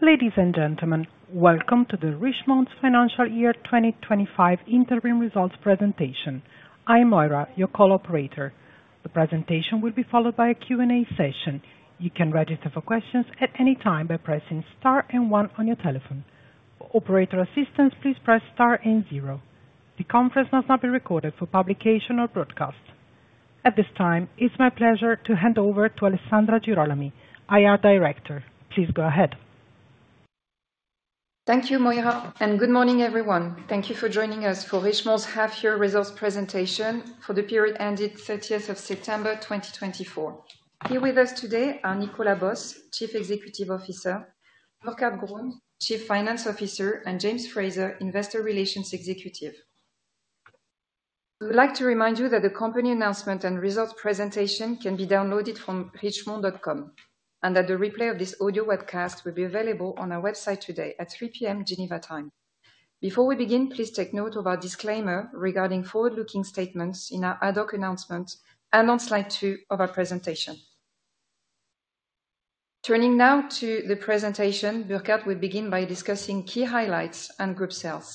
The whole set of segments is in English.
Ladies and gentlemen, welcome to the Richemont's financial year 2025 interim results presentation. I'm Moira, your call operator. The presentation will be followed by a Q and A session. You can register for questions at any time by pressing star and 1 on your telephone. For operator assistance, please press star and 0. The conference must now be recorded for publication or broadcast. At this time. It's my pleasure to hand over to Alessandra Girolami, IR Director. Please go ahead. Thank you, Moira. And good morning everyone. Thank you for joining us for Richemont's half year results presentation for the period ended 30th of September 2024. Here with us today are Nicolas Bos, Chief Executive Officer, Burkhart Grund, Chief Finance Officer and James Fraser, Investor Relations Executive. We would like to remind you that the company announcement and results presentation can be downloaded from richemont.com and that the replay of this audio webcast will be available on our website today at 3:00 P.M. Geneva time. Before we begin, please take note of our disclaimer regarding forward looking statements in our ad hoc announcement and on slide two of our presentation. Turning now to the presentation, Burkhart will begin by discussing key highlights and group sales.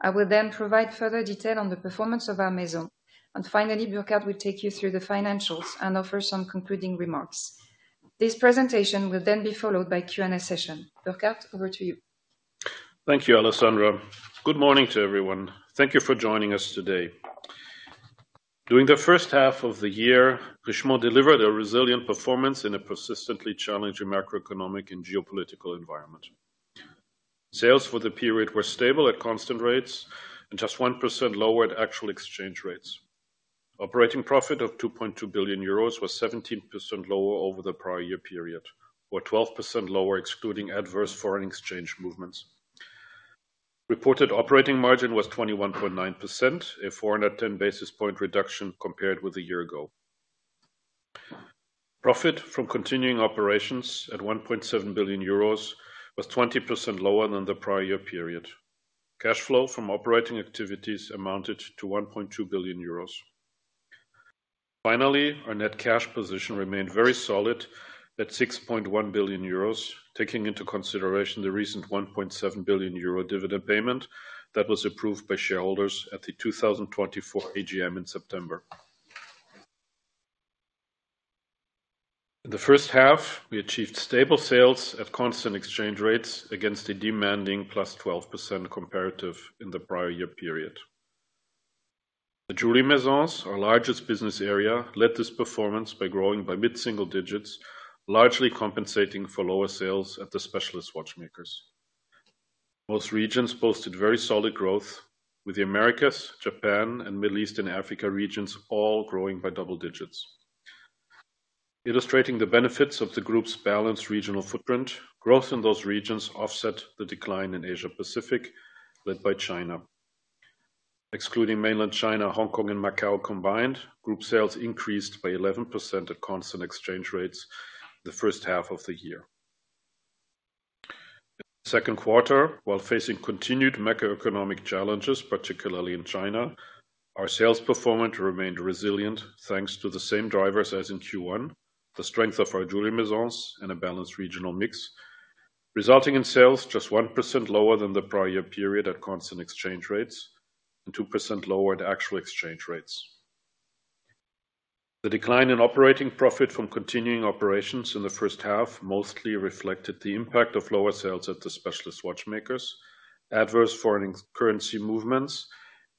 I will then provide further detail on the performance of our maison. And finally, Burkhart will take you through the financials and offer some concluding remarks. This presentation will then be followed by Q and A session. Burkhart, over to you. Thank you, Alessandra. Good morning to everyone. Thank you for joining us today. During the first half of the year, Richemont delivered a resilient performance in a persistently challenging macroeconomic and geopolitical environment. Sales for the period were stable at constant rates and just 1% lower at actual exchange rates. Operating profit of 2.2 billion euros was 17% lower over the prior year period, or 12% lower excluding adverse foreign exchange movements. Reported operating margin was 21.9%, a 410 basis point reduction compared with a year ago. Profit from continuing operations at 1.7 billion euros was 20% lower than the prior year period. Cash flow from operating activities amounted to 1.2 billion euros. Finally, our net cash position remained very solid at 6.1 billion euros. Taking into consideration the recent 1.7 billion euro dividend payment that was approved by shareholders at the 2024 AGM in September. In the first half, we achieved stable sales at constant exchange rates against a demanding 12% comparative in the prior year. The Jewellery Maisons, our largest business area, led this performance by growing by mid single digits, largely compensating for lower sales at the specialist watchmakers. Most regions posted very solid growth, with the Americas, Japan and Middle East and Africa regions all growing by double digits, illustrating the benefits of the group's balanced regional footprint. Growth in those regions offset the decline in Asia Pacific led by China. Excluding Mainland China, Hong Kong and Macau combined, Group sales increased by 11% at constant exchange rates the first half of the year. second quarter, while facing continued macroeconomic challenges, particularly in China, our sales performance remained resilient thanks to the same drivers as in Q1, the strength of our Jewellery Maisons and a balanced regional mix, resulting in sales just 1% lower than the prior year period at constant exchange rates and 2% lower at actual exchange rates. The decline in operating profit from continuing operations in the first half mostly reflected the impact of lower sales at the Specialist Watchmakers, adverse foreign currency movements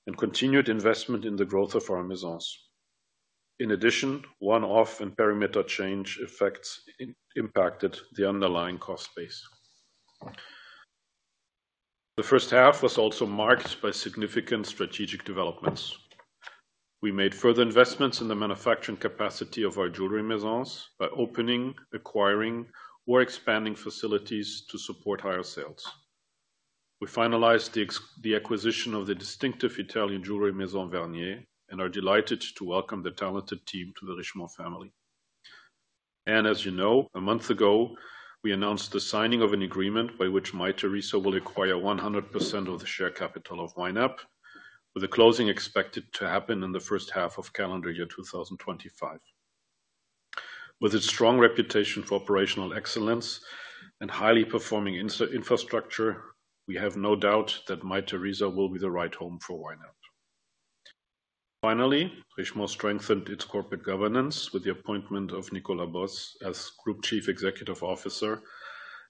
and continued investment in the growth of our Maisons. In addition, one-off and perimeter change effects impacted the underlying cost base. The first half was also marked by significant strategic developments. We made further investments in the manufacturing capacity of our Jewellery Maisons by opening, acquiring or expanding facilities to support higher sales. We finalized the acquisition of the distinctive Italian jewelry Maison Vhernier and are delighted to welcome the talented team to the Richemont family. As you know, a month ago we announced the signing of an agreement by which Mytheresa will acquire 100% of the share capital of YNAP, with the closing expected to happen in the first half of calendar year 2025. With its strong reputation for operational excellence and highly performing infrastructure, we have no doubt that Mytheresa will be the right home for YNAP. Finally, Richemont strengthened its corporate governance with the appointment of Nicolas Bos as group Chief Executive Officer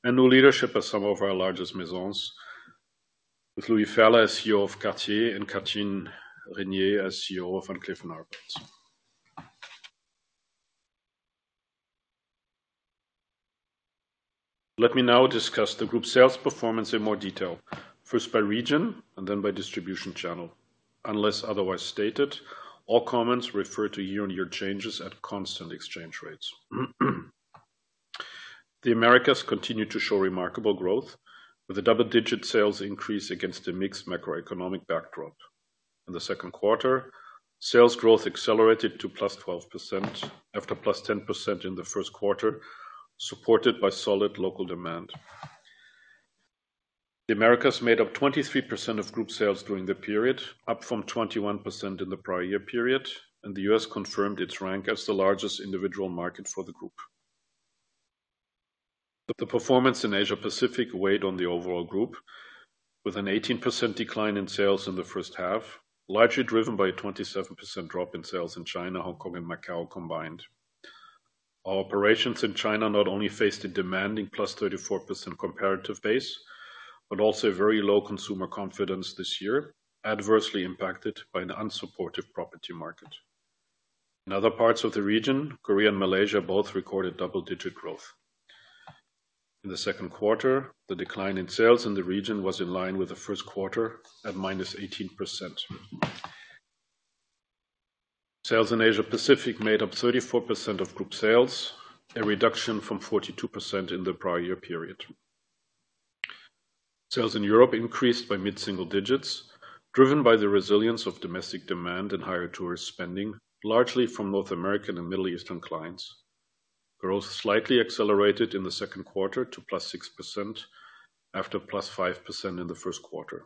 and new leadership at some of our largest maisons, with Louis Ferla as CEO of Cartier and Catherine Rénier as CEO of Van Cleef & Arpels. Let me now discuss the group sales performance in more detail, first by region and then by distribution channel. Unless otherwise stated, all comments refer to year on year changes at constant exchange rates. The Americas continue to show remarkable growth with a double digit sales increase against a mixed macroeconomic backdrop in the second quarter. Sales growth accelerated to plus 12% after plus 10% in the first quarter, supported by solid local demand. The Americas made up 23% of group sales during the period, up from 21% in the prior year period, and the U.S. confirmed its rank as the largest individual market for the group. The performance in Asia Pacific weighed on the overall group with an 18% decline in sales in the first half largely driven by a 27% drop in sales in China, Hong Kong and Macau combined. Our operations in China not only faced a demanding +34% comparative base, but also a very low consumer confidence this year adversely impacted by an unsupportive property market in other parts of the region. Korea and Malaysia both recorded double-digit growth in the second quarter. The decline in sales in the region was in line with the first quarter at -18%. Sales in Asia Pacific made up 34% of group sales, a reduction from 42% in the prior year period. Sales in Europe increased by mid-single digits, driven by the resilience of domestic demand and higher tourist spending, largely from North American and Middle Eastern clients. Growth slightly accelerated in the second quarter to +6% after +5% in the first quarter.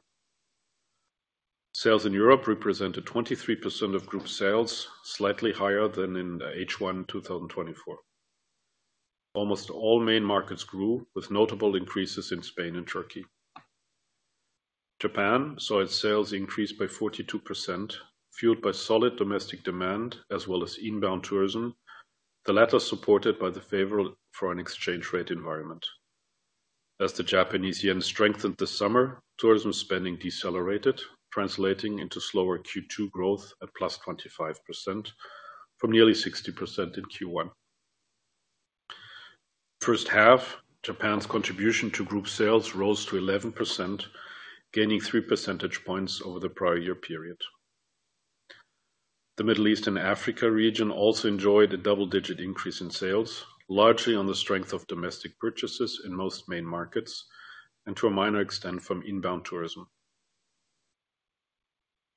Sales in Europe represented 23% of group sales, slightly higher than in H1 2024. Almost all main markets grew with notable increases in Spain and Turkey. Japan saw its sales increase by 42%, fueled by solid domestic demand as well as inbound tourism, the latter supported by the favorable foreign exchange rate environment. As the Japanese yen strengthened this summer, tourism spending decelerated, translating into slower Q2 growth at plus 25% from nearly 60% in Q1 first half. Japan's contribution to group sales rose to 11%, gaining 3 percentage points over the prior year period. The Middle East and Africa region also enjoyed a double-digit increase in sales, largely on the strength of domestic purchases in most main markets and to a minor extent from inbound tourism.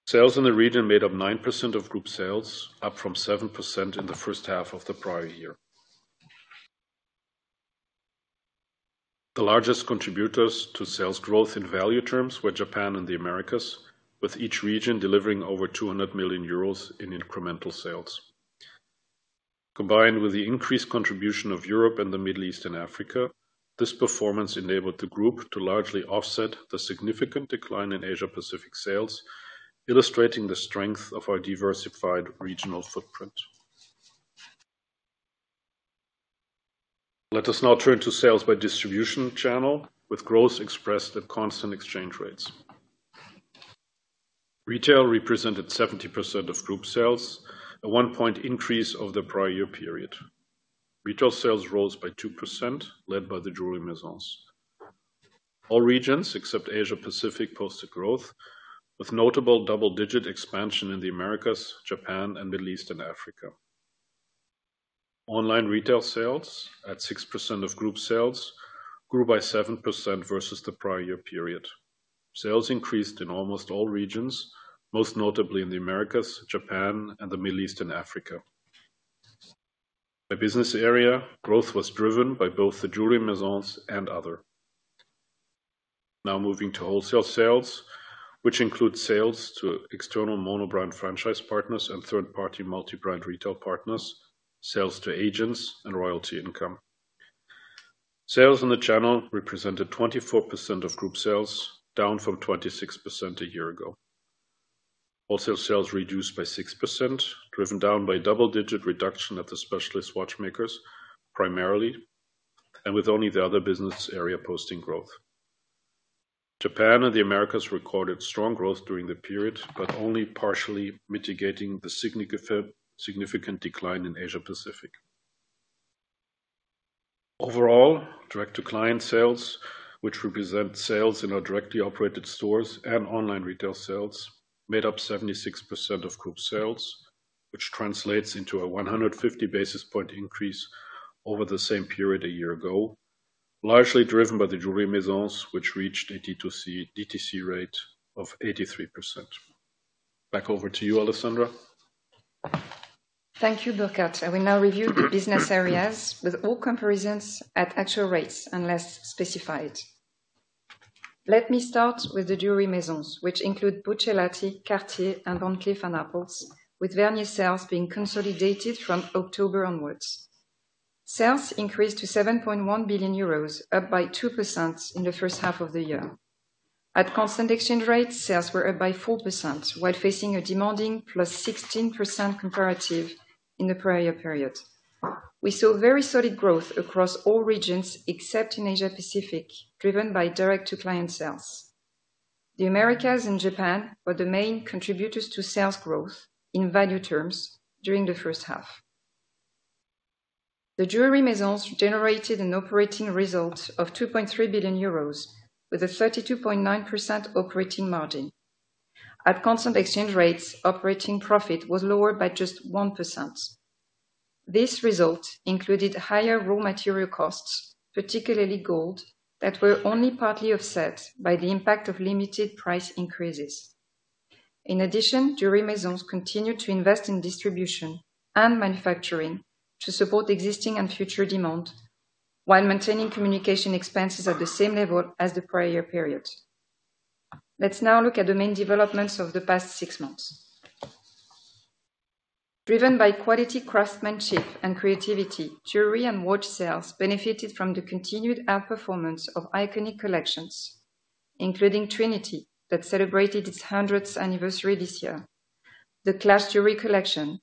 Sales in the region made up 9% of group sales, up from 7% in the first half of the prior year. The largest contributors to sales growth in value terms were Japan and the Americas, with each region delivering over 200 million euros in incremental sales. Combined with the increased contribution of Europe and the Middle East and Africa, this performance enabled the group to largely offset the significant decline in Asia Pacific sales, illustrating the strength of our diversified regional footprint. Let us now turn to sales by distribution channel with growth expressed at constant exchange rates. Retail represented 70% of group sales, a 1 point increase over the prior year period. Retail sales rose by 2% led by the Jewelry Maisons. All regions except Asia Pacific posted growth with notable double-digit expansion in the Americas, Japan and Middle East and Africa. Online retail sales at 6% of group sales grew by 7% versus the prior year period. Sales increased in almost all regions, most notably in the Americas, Japan and the Middle East and Africa. By business area, growth was driven by both the Jewelry Maisons and other. Now, moving to wholesale sales, which includes sales to external monobrand franchise partners and third-party multi-brand retail partners, sales to agents and royalty income. Sales in the channel represented 24% of group sales, down from 26% a year ago. Wholesale sales reduced by 6%, driven down by double-digit reduction at the Specialist Watchmakers primarily and with only the other business area posting growth. Japan and the Americas recorded strong growth during the period, but only partially mitigating the significant decline in Asia Pacific. Overall. Direct-to-client sales, which represent sales in our directly operated stores and online retail sales, made up 76% of group sales, which translates into a 150 basis points increase over the same period a year ago, largely driven by the Jewelry Maisons, which reached a DTC rate of 83%. Back over to you, Alessandra. Thank you, Burkhart. I will now review the business areas with all comparisons at actual rates unless specified. Let me start with the jewelry Maisons which include Buccellati, Vhernier, Cartier and Van Cleef & Arpels with Vhernier sales being consolidated from October onwards. Sales increased to 7.1 billion euros up by 2% in the first half of the year. At constant exchange rates sales were up by 4% while facing a demanding plus 16% comparative. In the prior year period we saw very solid growth across all regions except in Asia Pacific driven by direct to client sales. The Americas and Japan were the main contributors to sales growth. In value terms during the first half the jewelry Maisons generated an operating result of 2.3 billion euros with a 32.9% operating margin. At constant exchange rates, operating profit was lowered by just 1%. This result included higher raw material costs, particularly gold, that were only partly offset by the impact of limited price increases. In addition, our Maisons continued to invest in distribution and manufacturing to support existing and future demand while maintaining communication expenses at the same level as the prior year period. Let's now look at the main developments of the past six months driven by quality, craftsmanship and creativity. Jewelry and watch sales benefited from the continued outperformance of iconic collections including Trinity that celebrated its 100th anniversary this year, the Clash jewelry collection,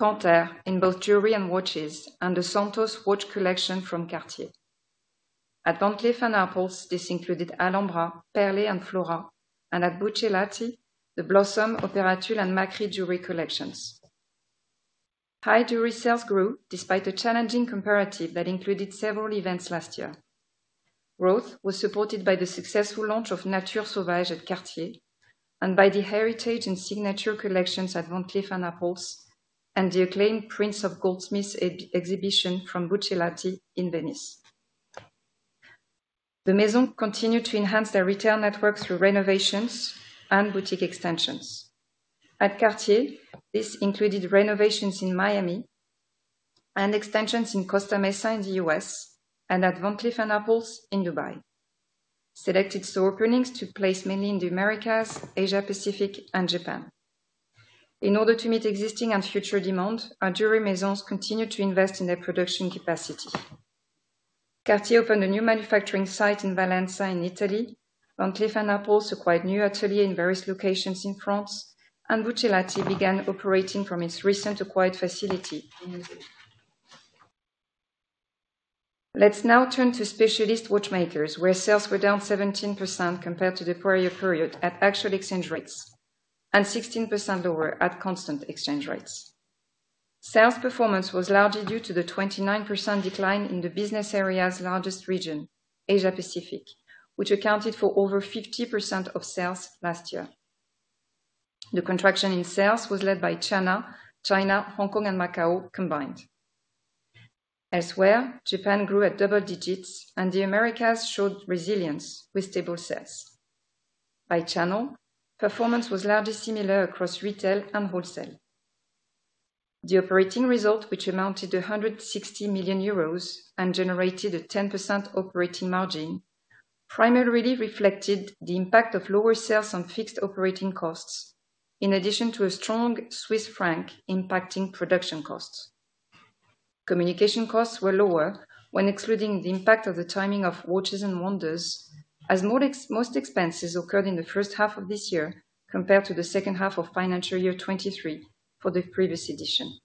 Panthère in both jewelry and watches, and the Santos watch collection from Cartier, Van Cleef & Arpels. This included Alhambra, Perlée and Frivole and at Buccellati, the Blossom, Opera Tulle and Macri jewelry collections. High jewelry sales grew despite a challenging comparative that included several events. Last year growth was supported by the successful launch of Nature Sauvage at Cartier and by the Heritage and signature collections at Van Cleef & Arpels and the acclaimed Prince of Goldsmiths exhibition from Buccellati in Venice. The Maisons continue to enhance their retail network through renovations and boutique extensions at Cartier. This included renovations in Miami and extensions in Costa Mesa in the US and at Van Cleef & Arpels in Dubai. Selected store openings took place mainly in the Americas, Asia Pacific and Japan. In order to meet existing and future demand, our jewelry Maisons continued to invest in their production capacity. Cartier opened a new manufacturing site in Valenza in Italy, Van Cleef & Arpels acquired new atelier in various locations in France and Buccellati began operating from its recent acquired facility in Valenza. Let's now turn to Specialist Watchmakers where sales were down 17% compared to the prior year period at Actual Exchange Rates and 16% lower at Constant Exchange Rates. Sales performance was largely due to the 29% decline in the business area's largest region, Asia Pacific, which accounted for over 50% of sales last year. The contraction in sales was led by China, Hong Kong and Macau combined. Elsewhere, Japan grew at double digits and the Americas showed resilience with stable sales by channel. Performance was largely similar across retail and wholesale. The operating result, which amounted to 160 million euros and generated a 10% operating margin, primarily reflected the impact of lower sales on fixed operating costs in addition to a strong Swiss franc impacting production costs. Communication costs were lower when excluding the impact of the timing of Watches and Wonders as most expenses occurred in the first half of this year compared to the second half of financial year 2023 for the previous edition.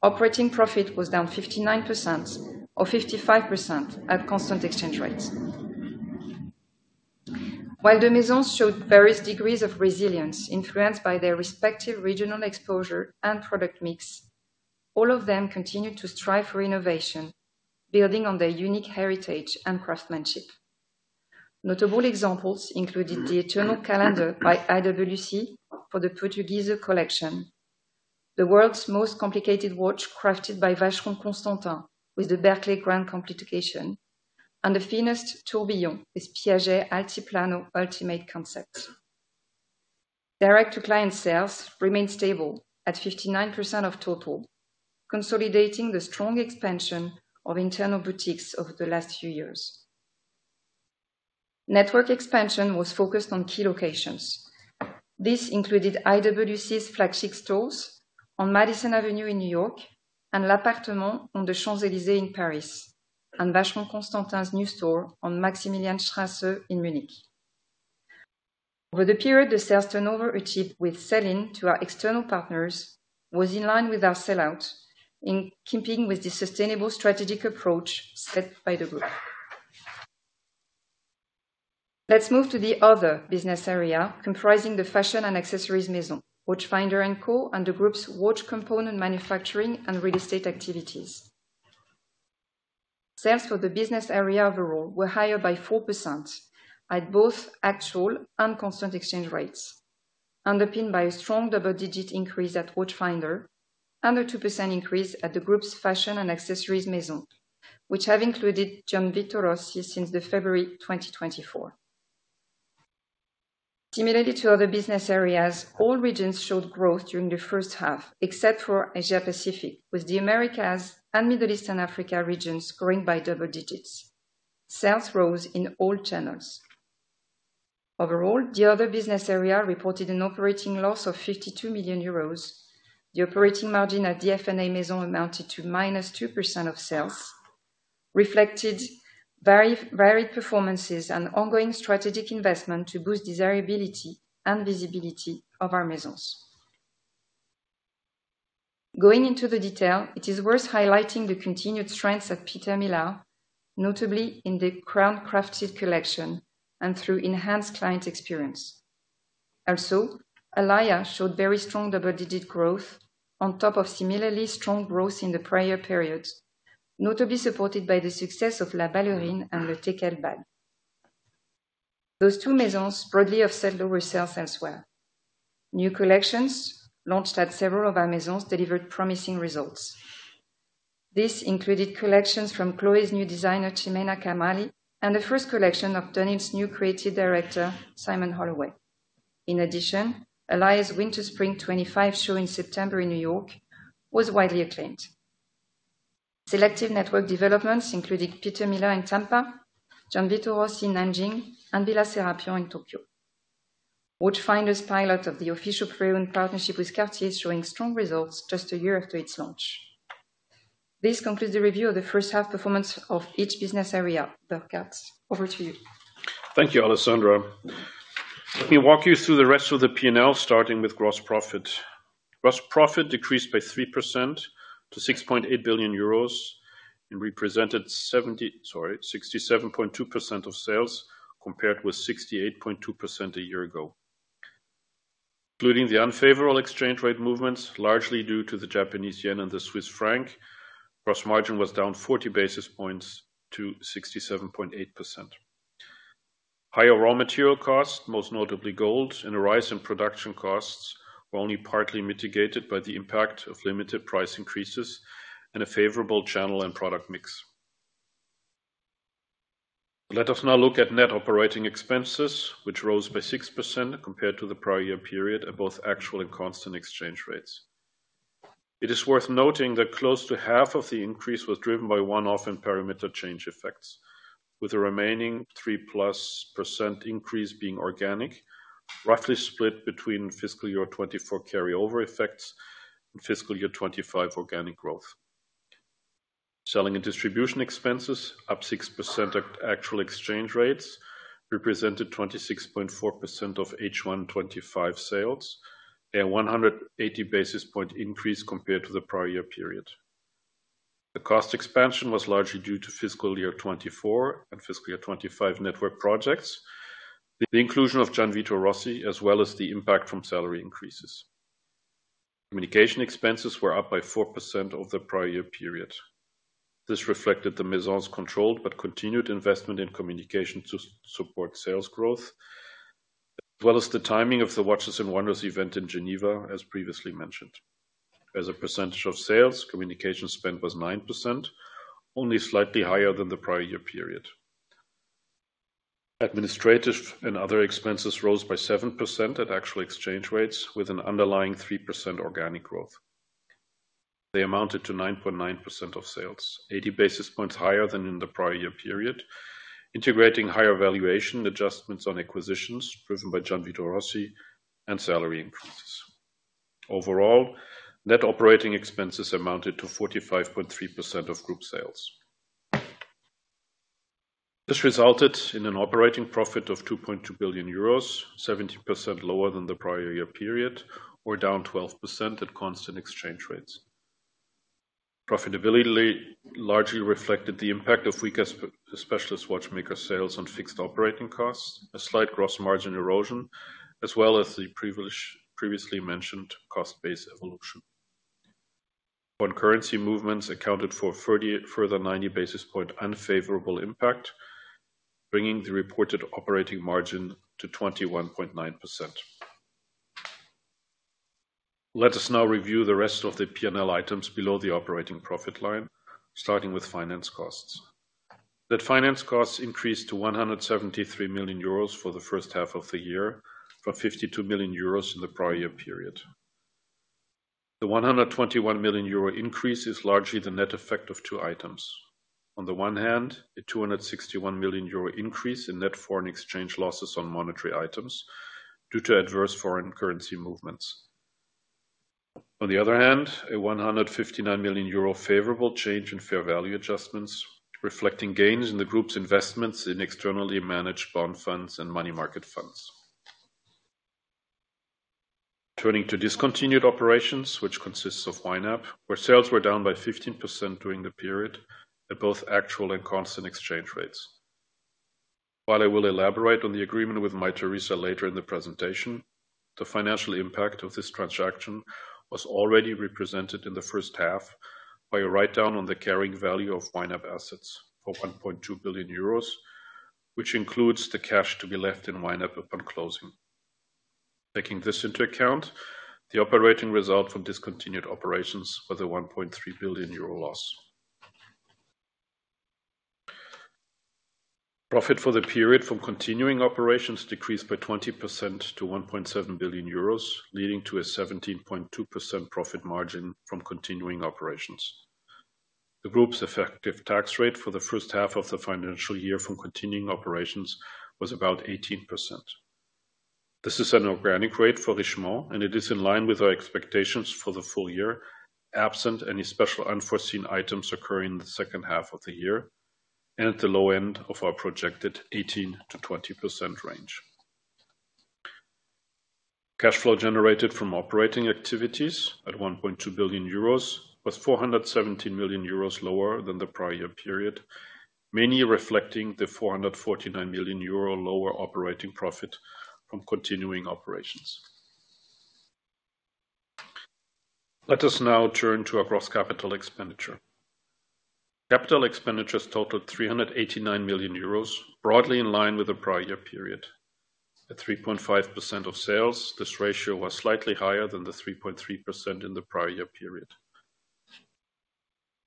Operating profit was down 59% or 55% at constant exchange rates. While the Maisons showed various degrees of resilience influenced by their respective regional exposure and product mix. All of them continued to strive for innovation building on their unique heritage and craftsmanship. Notable examples included the Eternal Calendar by IWC for the Portugieser collection, the world's most complicated watch crafted by Vacheron Constantin with the Berkley Grand Complication and the finest Tourbillon with Piaget Altiplano Ultimate Concepts. Direct to client sales remained stable at 59% of total, consolidating the strong expansion of internal boutiques over the last few years. Network expansion was focused on key locations. This included IWC's flagship stores on Madison Avenue in New York and L'Appartement on the Champs-Élysées in Paris and Vacheron Constantin's new store on Maximilianstraße in Munich. Over the period, the sales turnover achieved with sell-in to our external partners was in line with our sell-out. In keeping with the sustainable strategic approach set by the group, let's move to the other business area comprising the fashion and accessories Maisons, Watchfinder & Co. and the group's watch components manufacturing and real estate activities. Sales for the business area overall were higher by 4% at both actual and constant exchange rates, underpinned by a strong double-digit increase at Watchfinder and a 2% increase at the group's fashion and accessories Maisons which have included Gianvito Rossi since February 2024. Similarly to other business areas, all regions showed growth during the first half except for Asia Pacific, with the Americas and Middle East and Africa regions growing by double digits. Sales rose in all channels. Overall, the other business area reported an operating loss of 52 million euros. The operating margin in the F&A amounted to -2% of sales, reflecting varied performances and ongoing strategic investment to boost desirability and visibility of our maisons. Going into the detail, it is worth highlighting the continued strengths at Peter Millar, notably in the Crown Crafted collection and through enhanced client experience. Also, Alaïa showed very strong double-digit growth on top of similarly strong growth in the prior periods, notably supported by the success of La Ballerine and Le Teckel bag. Those two maisons broadly offset lower sales elsewhere. New collections launched at several of our maisons delivered promising results. This included collections from Chloé's new designer Chemena Kamali and the first collection of Dunhill's new creative director Simon Holloway. In addition, Alaïa's winter spring 25 show in September in New York was widely acclaimed. Selective network developments included Peter Millar in Tampa, Gianvito Rossi in Nanjing and Villa Serapian in Tokyo. Watchfinder's pilot of the official pre owned partnership with Cartier is showing strong results just a year after its launch. This concludes the review of the first half performance of each business area. Burkhart, over to you. Thank you. Alessandra, let me walk you through the rest of the P and L, starting with gross profit. Gross profit decreased by 3% to 6.8 billion euros and represented 67.2% of sales compared with 68.2% a year ago, including the unfavorable exchange rate movements largely due to the Japanese yen and the Swiss franc. Gross margin was down 40 basis points to 67.8%. Higher raw material costs, most notably gold, and a rise in production costs were only partly mitigated by the impact of limited price increases and a favorable channel and product mix. Let us now look at net operating expenses which rose by 6% compared to the prior year period at both actual and constant exchange rates. It is worth noting that close to half of the increase was driven by one-off in parameter change effects, with the remaining 3% increase being organic, roughly split between fiscal year 2024 carryover effects and fiscal year 2025 organic growth. Selling and distribution expenses up 6%. Actual exchange rates represented 26.4% of H1 2025 sales, a 180 basis points increase compared to the prior year period. The cost expansion was largely due to fiscal year 2024 and fiscal year 2025 network projects, the inclusion of Gianvito Rossi as well as the impact from salary increases. Communication expenses were up by 4% over. The prior year period. This reflected the Maison's controlled but continued investment in communication to support sales growth as well as the timing of the Watches and Wonders event in Geneva. As previously mentioned, as a percentage of sales communication spend was 9%, only slightly higher than the prior year period. Administrative and other expenses rose by 7% at actual exchange rates with an underlying 3% organic growth. They amounted to 9.9% of sales, 80 basis points higher than in the prior year period, integrating higher valuation adjustments on acquisitions proven by Gianvito Rossi and salary increases. Overall net operating expenses amounted to 45.3% of group sales. This resulted in an operating profit of 2.2 billion euros, 70% lower than the prior year period or down 12% at constant exchange rates. Profitability largely reflected the impact of weaker specialist watchmaker sales on fixed operating costs, a slight gross margin erosion as well as the previously mentioned cost base evolution. Currency movements accounted for further 90 basis points unfavorable impact, bringing the reported operating margin to 21.9%. Let us now review the rest of the P&L items below the operating profit line, starting with finance costs. The finance costs increased to 173 million euros for the first half of the year for 52 million euros in the prior year period. The 121 million euro increase is largely the net effect of two items. On the one hand, a 261 million euro increase in net foreign exchange losses on monetary items due to adverse foreign currency movements. On the other hand, a 159 million euro favorable change in fair value adjustments reflecting gains in the group's investments in externally managed bond funds and money market funds. Turning to discontinued operations which consists of YNAP where sales were down by 15% during the period at both actual and constant exchange rates. While I will elaborate on the agreement with Mytheresa later in the presentation. The financial impact of this transaction was already represented in the first half by a write down on the carrying value of YNAP assets for 1.2 billion euros, which includes the cash to be left in YNAP upon closing. Taking this into account, the operating result from discontinued operations with a 1.3 billion euro loss. Profit for the period from continuing operations decreased by 20% to 1.7 billion euros, leading to a 17.2% profit margin from continuing operations. The group's effective tax rate for the first half of the financial year from continuing operations was about 18%. This is an organic rate for Richemont and it is in line with our expectations for the full year absent any special unforeseen items occurring in the second half of the year and at the low end of our projected 18%-20% range. Cash flow generated from operating activities at 1.2 billion euros was 417 million euros lower than the prior year period, mainly reflecting the 449 million euros lower operating profit from continuing operations. Let us now turn to our gross capital expenditure. Capital expenditures totaled 389 million euros broadly in line with the prior year period at 3.5% of sales. This ratio was slightly higher than the 3.3% in the prior year period,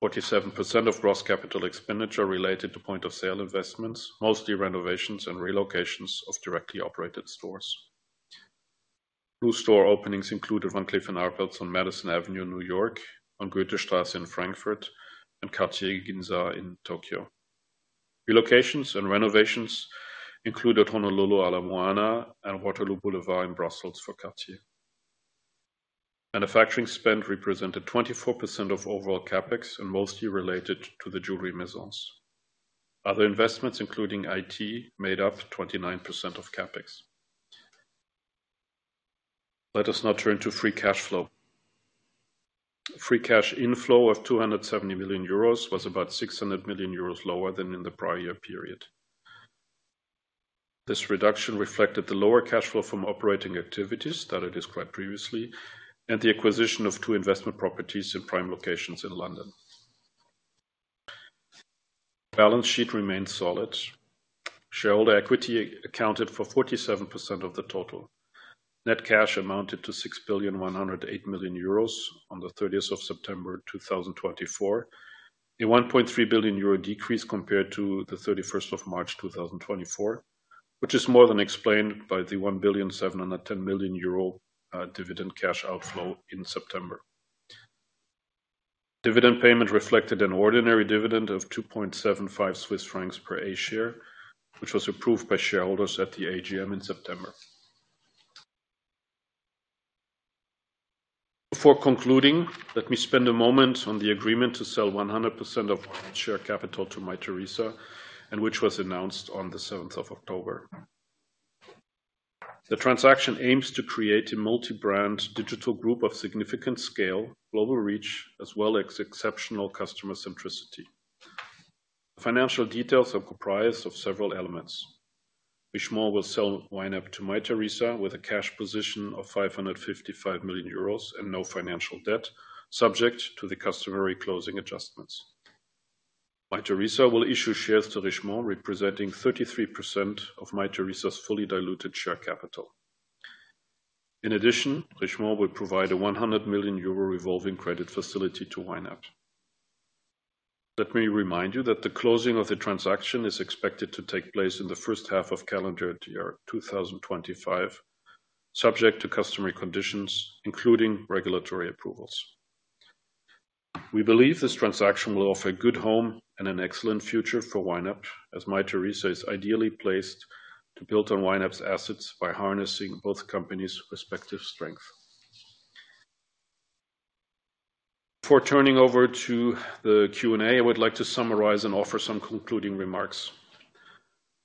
47% of gross capital expenditure related to point of sale investments, mostly renovations and relocations of directly operated stores. New store openings included Van Cleef & Arpels on Madison Avenue, New York, on Goethestraße in Frankfurt and Cartier Ginza in Tokyo. Relocations and renovations included Honolulu, Ala Moana and Boulevard de Waterloo in Brussels. Manufacturing spend represented 24% of overall CapEx and mostly related to the jewelry Maisons. Other investments including IT made up 29% of CapEx. Let us now turn to free cash flow. Free cash inflow of 270 million euros was about 600 million euros lower than in the prior year period. This reduction reflected the lower cash flow from operating activities that I described previously and the acquisition of two investment properties in prime locations in London. Balance sheet remained solid. Shareholder Equity accounted for 47% of the total net cash, which amounted to 6,108,000,000 euros on 30 September 2024, a 1.3 billion euro decrease compared to 31 March 2024, which is more than explained by the 1,710,000,000 euro dividend cash outflow in September. Dividend payment reflected an ordinary dividend of 2.75 Swiss francs per share, which was approved by shareholders at the AGM in September. Before concluding, let me spend a moment on the agreement to sell 100% of YNAP share capital to Mytheresa, which was announced on 7 October. The transaction aims to create a multi brand digital group of significant scale global reach as well as exceptional customer centricity. The financial details are comprised of several elements. Richemont will sell YNAP to Mytheresa with a cash position of 555 million euros and no financial debt. Subject to the customary closing adjustments, Mytheresa will issue shares to Richemont representing 33% of Mytheresa's fully diluted share capital. In addition, Richemont will provide a 100 million euro revolving credit facility to YNAP. Let me remind you that the closing of the transaction is expected to take place in the first half of calendar year 2025. Subject to customary conditions including regulatory approvals, we believe this transaction will offer a good home and an excellent future for YNAP as Mytheresa is ideally placed to build on YNAP's assets by harnessing both companies respective strengths. Before turning over to the Q&A, I would like to summarize and offer some concluding remarks.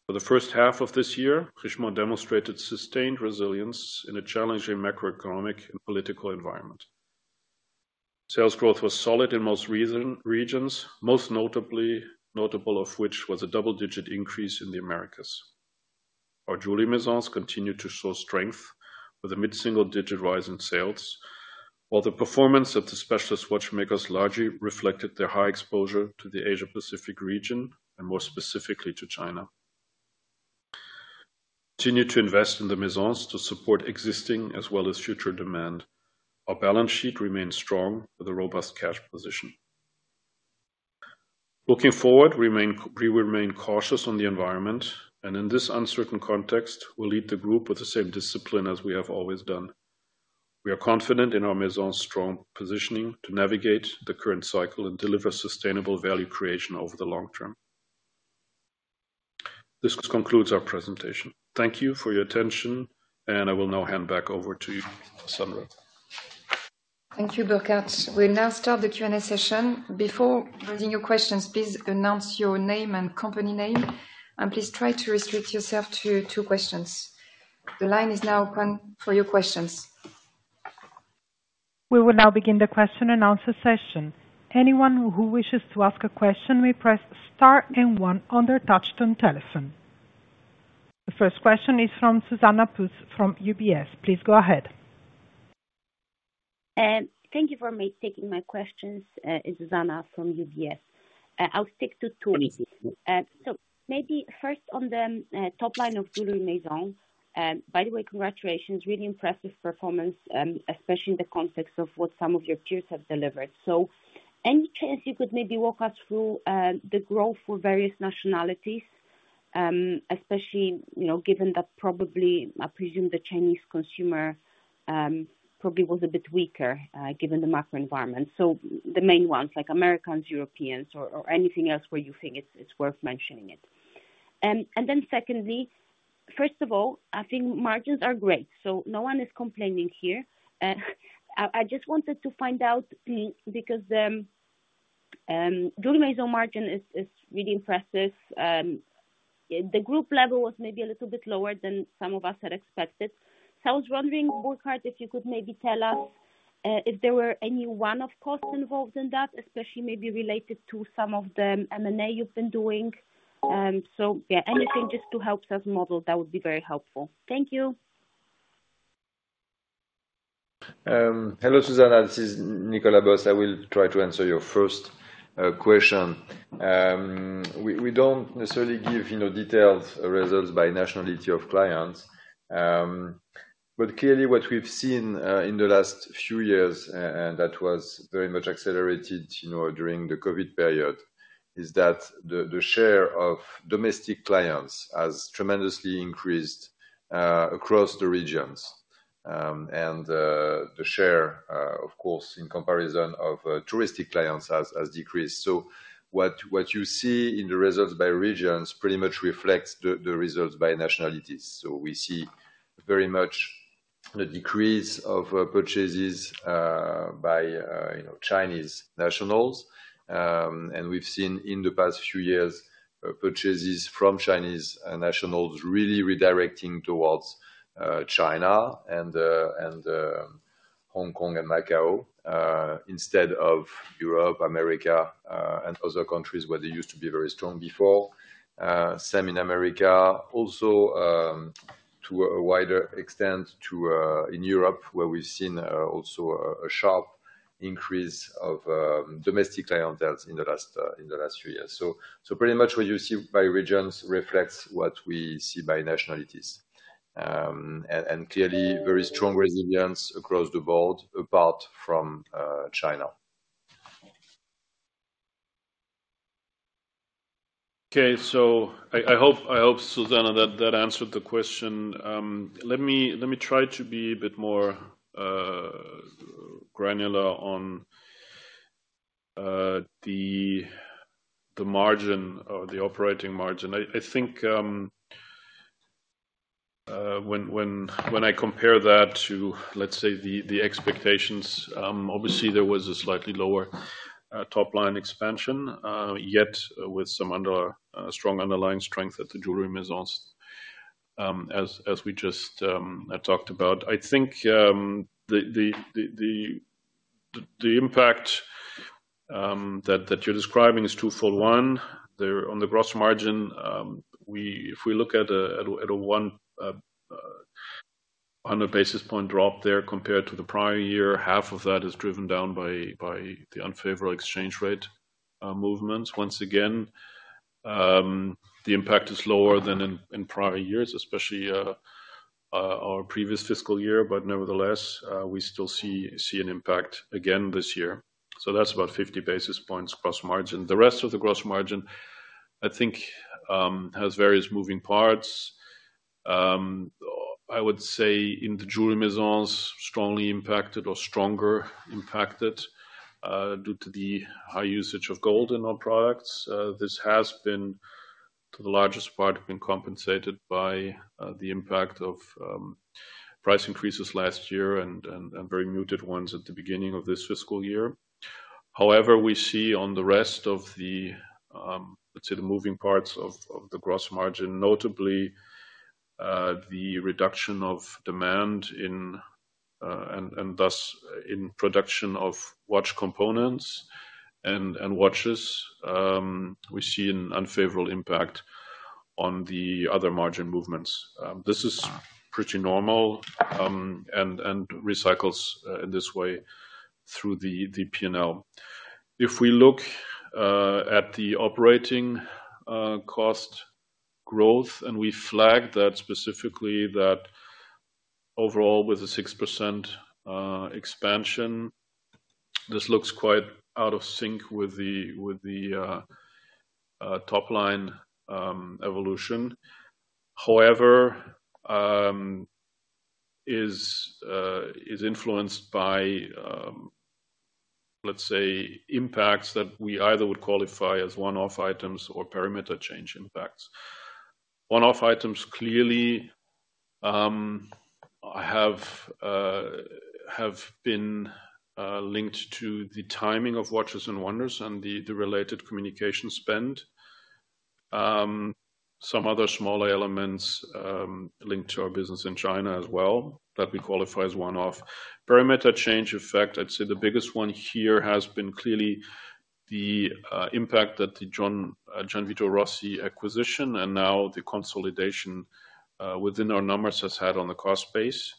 For the first half of this year, Richemont demonstrated sustained resilience in a challenging macroeconomic and political environment. Sales growth was solid in most regions, most notable of which was a double-digit increase in the Americas. Our Jewellery Maisons continued to show strength with a mid single digit rise in sales while the performance of the Specialist Watchmakers largely reflected their high exposure to the Asia Pacific region and more specifically to China. Continue to invest in the Maisons to support existing as well as future demand. Our balance sheet remains strong with a robust cash position. Looking forward, we remain cautious on the environment and in this uncertain context will lead the group with the same discipline as we have always done. We are confident in our Maisons' strong positioning to navigate the current cycle and deliver sustainable value creation over the long term. This concludes our presentation. Thank you for your attention and I will now hand back over to you Alessandra. Thank you, Burkhart. We'll now start the Q and A session. Before raising your questions, please announce your name and company name, and please try to restrict yourself to two questions. The line is now open for your questions. We will now begin the question and answer session. Anyone who wishes to ask a question, press star then 1 on their touch-tone telephone. The first question is from Zuzanna Pusz from UBS. Please go ahead. Thank you for taking my questions. Zuzanna from UBS. I'll stick to two. So maybe first on the top line of Jewellery Maison. By the way, congratulations. Really impressive performance, especially in the context of what some of your peers have delivered. So any chance you could maybe walk us through the growth for various nationalities especially, you know, given that probably, I presume the Chinese consumer probably was a bit weaker given the macro environment. So the main ones like Americans, Europeans or anything else where you think it's worth mentioning it. And then secondly, first of all I think margins are great, so no one is complaining here. I just wanted to find out because Jewellery Maison margin is really impressive, the group level was maybe a little bit lower than some of us had expected. So I was wondering, Burkhart, if you could maybe tell us if there were any one-off costs involved in that, especially maybe related to some of the M and A you've been doing. So yeah, anything just to help us model. That would be very helpful. Thank you. Hello, Susanna, this is Nicolas Bos. I will try to answer your first question. We don't necessarily give detailed results by nationality of clients, but clearly what we've seen in the last few years, and that was very much accelerated during the COVID period, is that the share of domestic clients has tremendously increased across the regions and the share of course in comparison of touristic clients has decreased. So what you see in the results by regions pretty much reflects the results by nationalities. So we see very much the decrease of purchases by Chinese nationals and we've seen in the past few years purchases from Chinese nationals really redirecting towards China and Hong Kong and Macau instead of Europe, America and other countries where they used to be very strong before. Same in America also to a wider extent in Europe where we've seen also a sharp increase of domestic clientele in the last few years. So pretty much what you see by regions reflects what we see by nationalities and clearly very strong resilience across the board apart from China. Okay, so I hope, Susanna, that answered the question. Let me try to be a bit more granular on the margin or the operating margin. I think when I compare that to let's say the expectations, obviously there was a slightly lower top line expansion yet with some strong underlying strength at the Jewelry Maisons as we just talked about. I think the impact that you're describing is twofold. One on the gross margin, if we look at a 100 basis points drop there compared to the prior year, half of that is driven down by the unfavorable exchange rate movements. Once again the impact is lower than in prior years. Especially our previous fiscal year. But nevertheless we still see an impact again this year. So that's about 50 basis points gross margin. The rest of the gross margin I think has various moving parts. I would say in the jewelry maisons strongly impacted or stronger impacted due to the high usage of gold in our products. This has been to the largest part compensated by the impact of price increases last year and very muted ones at the beginning of this fiscal year. However, we see on the rest of the, let's say the moving parts of the gross margin, notably the reduction of demand and thus in production of watch components and watches, we see an unfavorable impact on the other margin movements. This is pretty normal and recycles in this way through the P&L. If we look at the operating cost growth and we flag that specifically overall with the 6% expansion, this looks quite out of sync with the top line. Evolution, however, is influenced by, let's say, impacts that we either would qualify as one-off items or perimeter change impacts, one-off items. Clearly, it has been linked to the timing of Watches and Wonders and the related communication spend. Some other smaller elements linked to our business in China as well that we qualify as one-off perimeter change effect. I'd say the biggest one here has been clearly the impact that the Gianvito Rossi acquisition and now the consolidation within our numbers has had on the cost base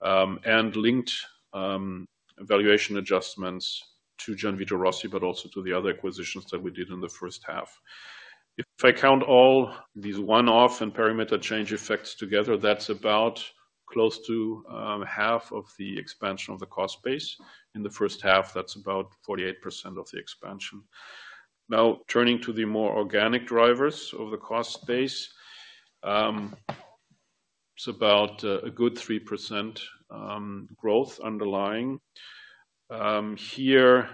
and including valuation adjustments to Gianvito Rossi, but also to the other acquisitions that we did in the first half. If I count all these one-off and perimeter change effects together, that's about close to half of the expansion of the cost base in the first half. That's about 48% of the expansion. Now turning to the more organic drivers of the cost base, it's about a good 3% growth underlying here.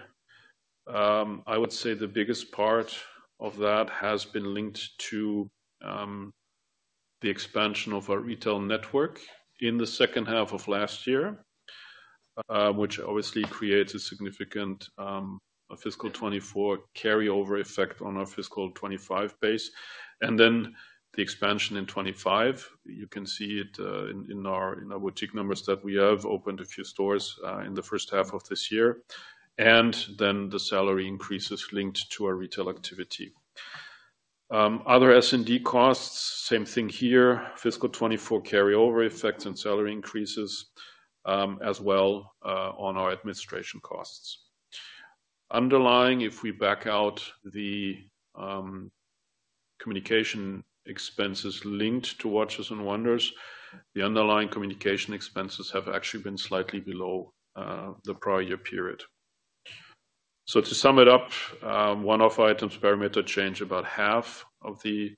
I would say the biggest part of that has been linked to the expansion of our retail network in the second half of last year, which obviously creates a significant fiscal 2024 carryover effect on our fiscal 2025 base and then the expansion in 2025. You can see it in our boutique numbers that we have opened a few stores in the first half of this year and then the salary increases linked to our retail activity, other S and D costs. Same thing here, fiscal 2024 carryover effects and salary increases as well on our administration costs underlying. If we back out the communication expenses linked to Watches and Wonders, the underlying communication expenses have actually been slightly below the prior year period. To sum it up, one-off items, perimeter change, about half of the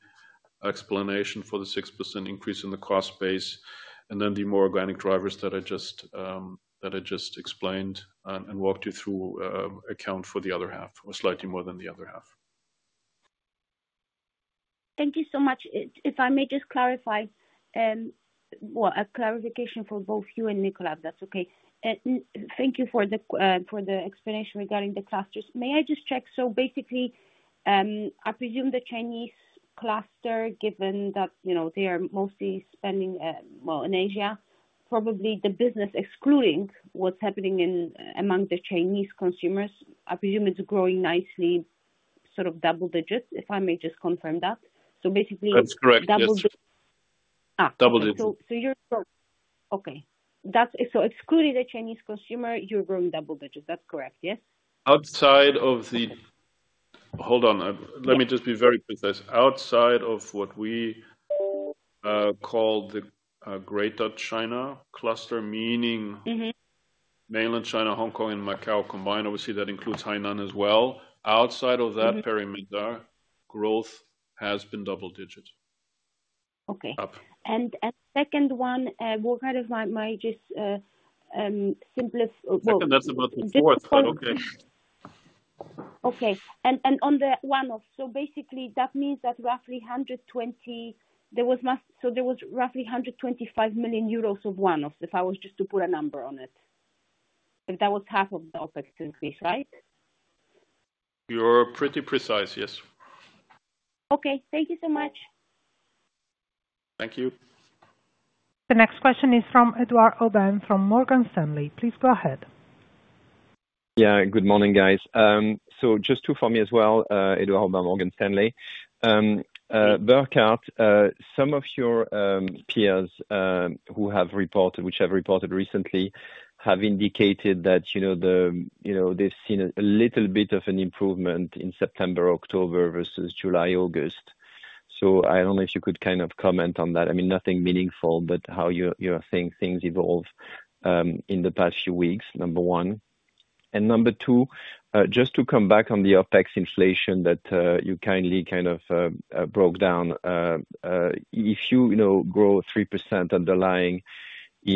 explanation for the 6% increase in the cost base, and then the more organic drivers that I just explained and walked you through account for the other half or slightly more than the other half. Thank you so much. If I may just clarify a clarification for both you and Nicolas. That's okay. Thank you for the explanation regarding the clusters. May I just check. So basically, I presume the Chinese cluster, given that, you know, they are mostly spending well in Asia, probably the business excluding what's happening among the Chinese consumers, I presume it's growing nicely sort of double digits, if I may just confirm that. So basically that's correct. Double digits. Okay. That's so excluding a Chinese consumer, you're growing double digits. That's correct, yes. Hold on, let me just be very precise. Outside of what we call the Greater China cluster, meaning Mainland China, Hong Kong and Macau combined, obviously that includes Hainan as well. Outside of that perimeter growth has been double-digit. Okay, and second one, what kind of mix just simplest. Okay, and on the one-off. So basically that means that roughly 125 million euros of one-off. If I was just to put a number on it, that was half of the OpEx increase, right? You're pretty precise. Yes. Okay, thank you so much. Thank you. The next question is from Edouard Aubin from Morgan Stanley. Please go ahead. Yeah, good morning guys. So just two for me as well. Edouard Aubin, Morgan Stanley. Burkhart. Some of your peers who have reported, which have reported recently, have indicated that they've seen a little bit of an improvement in September, October versus July, August. So I don't know if you could kind of comment on that. I mean, nothing meaningful but how you're saying things evolve in the past few weeks, number one. And number two, just to come back on the OpEx inflation that you kindly kind of broke down, if you grow 3% underlying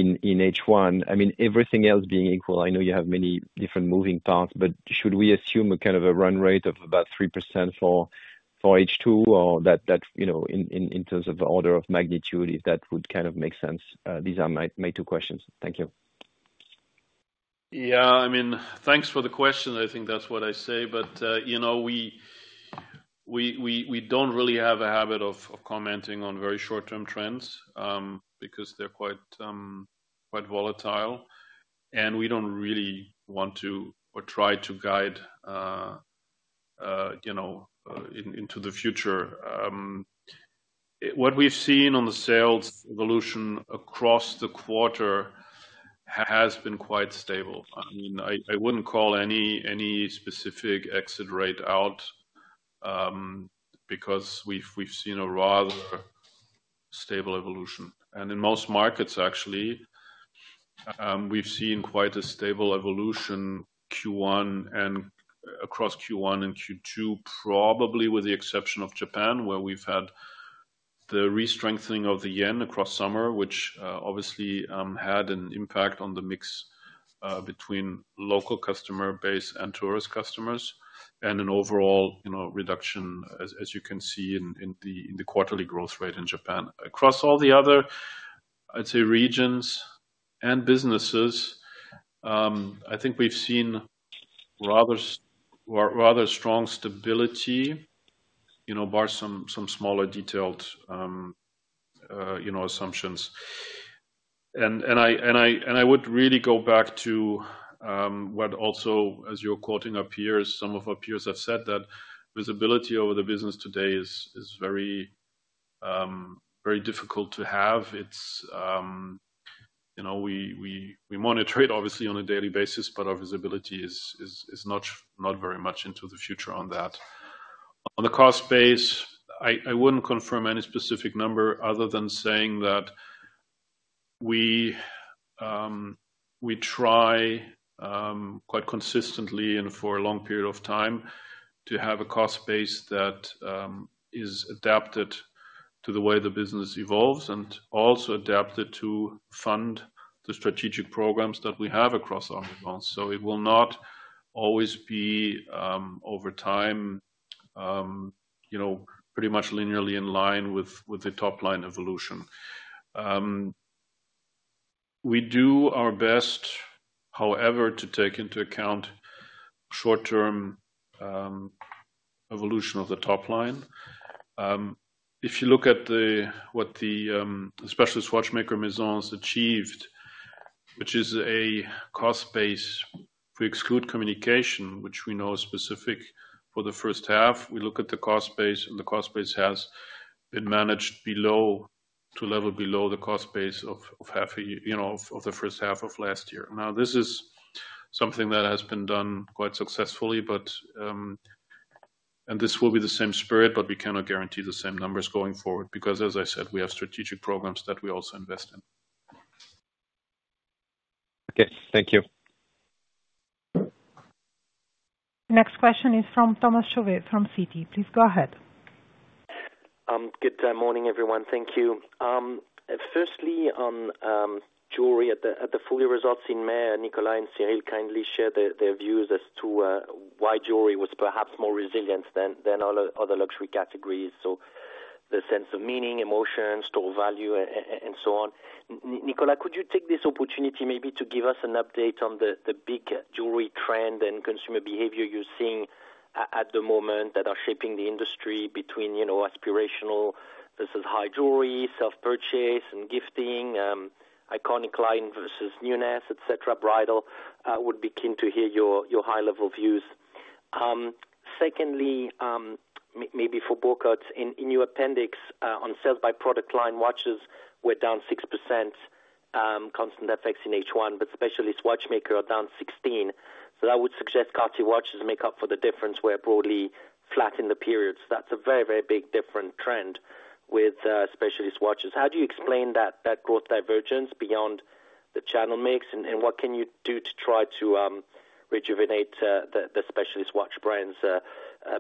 in H1, I mean everything else being equal, I know you have many different moving parts, but should we assume a kind of a run rate of about 3% for H2 or in terms of order of magnitude, if that would kind of make sense. These are my two questions. Thank you. Yeah, I mean, thanks for the question. I think that's what I say. But we don't really have a habit of commenting on very short-term trends because they're quite volatile and we don't really want to or try to guide into the future. What we've seen on the sales evolution across the quarter has been quite stable. I wouldn't call any specific exit rate out because we've seen a rather stable evolution and in most markets actually we've seen quite a stable evolution across Q1 and Q2 probably with the exception of Japan where we've had the restrengthening of the Yen across summer, which obviously had an impact on the mix between local customer base and tourist customers and an overall reduction, as you can see in the quarterly growth rate in Japan. Across all the other, I'd say, regions and businesses, I think we've seen rather strong stability bar some smaller detailed assumptions. And I would really go back to what also, as you're quoting our peers, some of our peers have said that visibility over the business today is very difficult to have. We monitor it obviously on a daily basis, but our visibility is not very much into the future on that. On the cost base, I wouldn't confirm any specific number other than saying that we try quite consistently and for a long period of time to have a cost base that is adapted to the way the business evolves and also adapted to fund the strategic programs that we have across our Maisons. So it will not always be over time, you know, pretty much linearly in line with the top line evolution. We do our best, however, to take into account short-term evolution of the top line. If you look at what the Specialist Watchmaker Maisons achieved, which is a cost base, we exclude communication, which we know is specific for the first half. We look at the cost base, and the cost base has been managed below to level below the cost base of half a year, you know, of the first half of last year. Now this is something that has been done quite successfully but, and this will be the same spirit, but we cannot guarantee the same numbers going forward because as I said, we have strategic programs that we also invest in. Okay, thank you. Next question is from Thomas Chauvet from Citi. Please go ahead. Good morning everyone. Thank you. Firstly, on jewelry at the full year results in May, Nicolas and Cyril kindly share their views as to why jewelry was perhaps more resilient than other luxury categories. So the sense of meaning, emotions, store value and so on. Nicolas, could you take this opportunity maybe to give us an update on the big jewelry trend and consumer behavior you're seeing at the moment that are shaping the industry between aspirational versus high jewelry, self purchase and gifting, iconic line versus new ones et cetera. We'd be keen to hear your high level views. Secondly, maybe for Burkhart in your appendix on sales by product line, watches were down 6%. Constant exchange rates in H1, but specialist watchmaker are down 16%. So that would suggest Cartier watches make up for the difference where broadly flat in the period. So that's a very, very big difference in trend with specialist watches. How do you explain that? Growth divergence beyond the channel mix. And what can you do to try to rejuvenate the specialist watch brands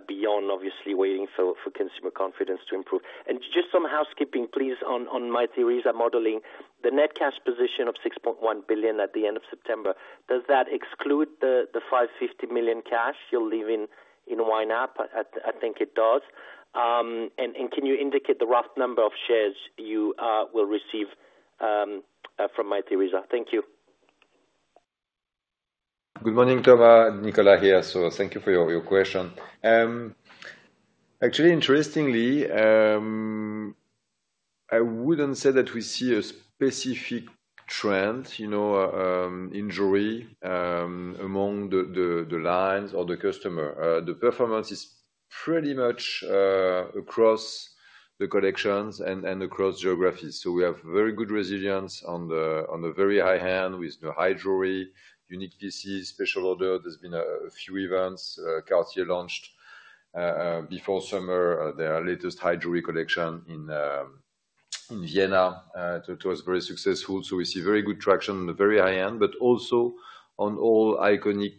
beyond, obviously waiting for consumer confidence to improve and just some housekeeping, please. On my side, I'm modeling the net cash position of 6.1 billion at the end of September. Does that exclude the 550 million cash you'll leave in YNAP? I think it does. And can you indicate the rough number of shares you will receive from it? Thank you. Good morning. Thomas Nicola here. So thank you for your question. Actually, interestingly, I wouldn't say that we see a specific trend, you know, in jewelry among the lines or the customer. The performance is pretty much across the collections and across geographies. So we have very good resilience on the very high end with the high jewelry, unique pieces, special order. There's been a few events. Cartier launched before summer, their latest high jewelry collection in Vienna. It was very successful. So we see very good traction on the very high end, but also on all iconic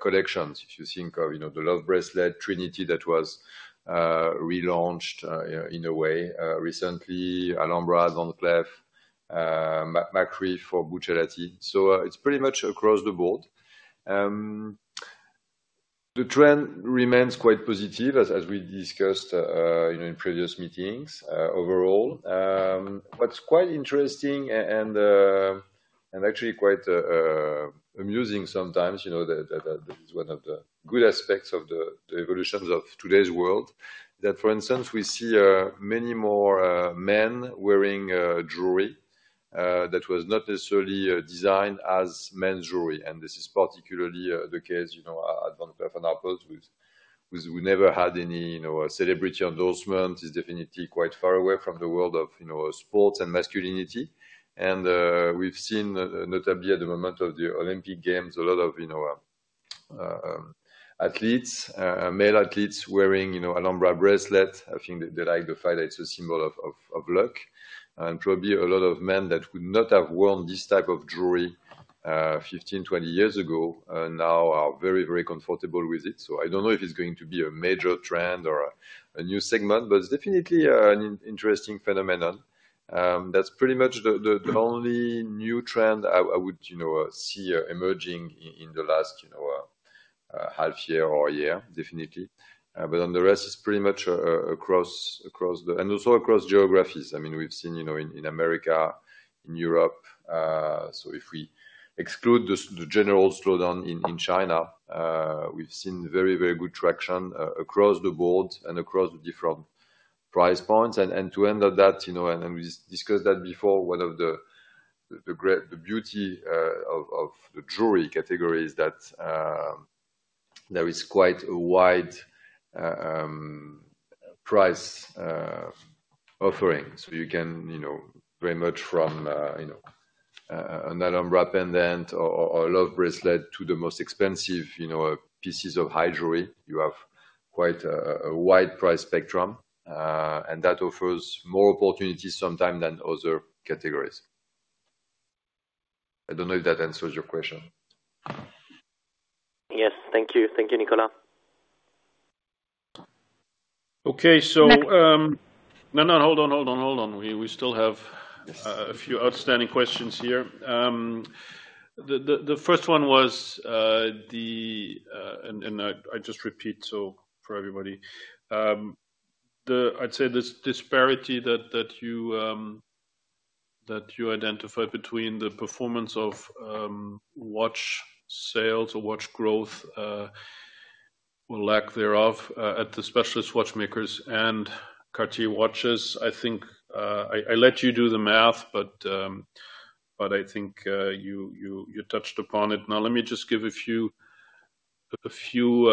collections. If you think of, you know, the Love bracelet Trinity that was relaunched in a way recently, Alhambra, Van Cleef, Macri for Buccellati. So it's pretty much across the board. The trend remains quite positive, as we discussed in previous meetings. Overall, what's quite interesting and actually quite amusing sometimes [is] one of the good aspects of the evolutions of today's world, that, for instance, we see many more men wearing jewelry that was not necessarily designed as men's jewelry. This is particularly the case, you know. We never had any, you know, celebrity endorsement [that] is definitely quite far away from the world of, you know, sports and masculinity. We've seen, notably at the moment of the Olympic Games, a lot of, you know, athletes, male athletes, wearing, you know, an Alhambra bracelet. I think they like the fact that it's a symbol of luck. Probably a lot of men that would not have worn this type of jewelry 15, 20 years ago now are very, very comfortable with it. So I don't know if it's going to be a major trend or a new segment, but it's definitely an interesting phenomenon. That's pretty much the only new trend I would, you know, see emerging in the last, you know, half year or a year, definitely. But on the rest is pretty much across the, and also across geographies. I mean, we've seen, you know, in America, in Europe, so if we exclude the general slowdown in China, we've seen very, very good traction across the board and across the different price points. And to end on that, you know, and we discussed that before, one of the great, the beauty of the jewelry categories, that there is quite a wide price offering. So you can, you know very much from, you know, an Alhambra pendant or a Love bracelet to the most expensive, you know, pieces of High Jewelry, you have quite a wide price spectrum. And that offers more opportunities sometimes than other categories. I don't know if that answers your question. Yes, thank you. Thank you, Nicolas. Okay, so no, no, hold on, hold on, hold on. We still have a few outstanding questions here. The first one was the, and I just repeat so for everybody, the I'd say this disparity that you identified between the performance of watch sales or watch growth or lack thereof at the Specialist Watchmakers and Cartier watches. I think I let you do the math, but I think you touched upon it. Now, let me just give a few, a few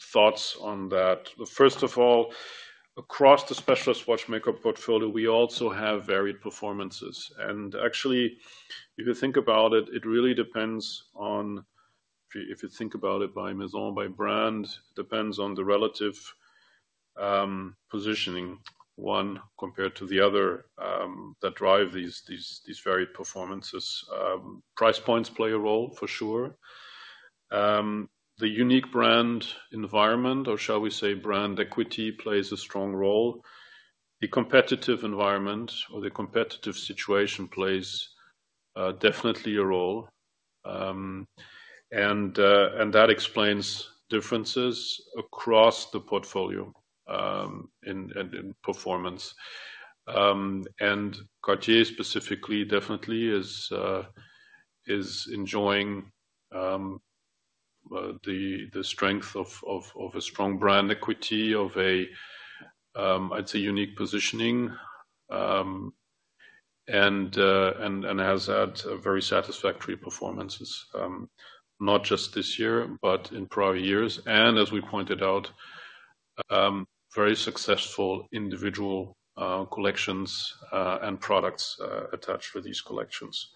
thoughts on that. First of all, across the Specialist Watchmakers portfolio, we also have varied performances. And actually, if you think about it, it really depends on if you think about it, by Maison, by brand depends on the relative positioning one compared to the other that drive these varied performances. Price points play a role, for sure. The unique brand environment or shall we say brand equity plays a strong role. The competitive environment or the competitive situation plays definitely a role. That explains differences across the portfolio and in performance. Cartier specifically definitely is enjoying the strength of a strong brand equity of a, I'd say unique positioning and has had very satisfactory performances, not just this year, but in prior years. As we pointed out, very successful individual collections and products attached for these collections.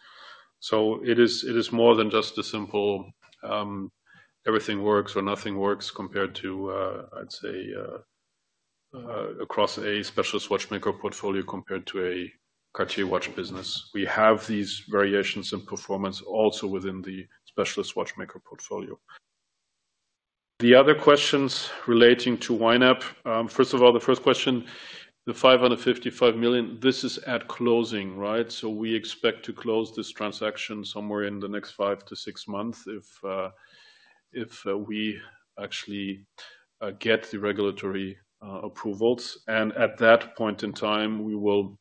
It is more than just a simple everything works or nothing works compared to, I'd say across a specialist watchmaker portfolio compared to a Cartier watch business. We have these variations in performance. Also within the specialist watchmaker portfolio, the other questions relating to YNAP. First of all, the first question, the 555 million. This is at closing, right? So we expect to close this transaction somewhere in the next five to six months if we actually get the regulatory approvals. And at that point in time, we. Will.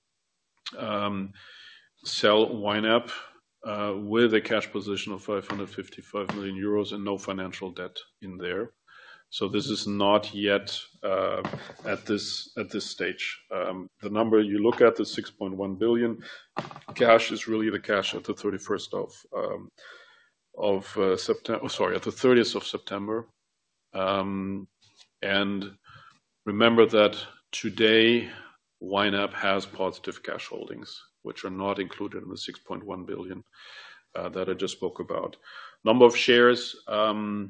of YNAP with a cash position of 555 million euros and no financial debt in there. So this is not yet at this stage, the number you look at is 6.1 billion. Cash is really the cash at the 30th of September. Sorry, at the 30th of September. And remember that today YNAP has positive cash holdings which are not included in the 6.1 billion that I just spoke about. Number of shares. I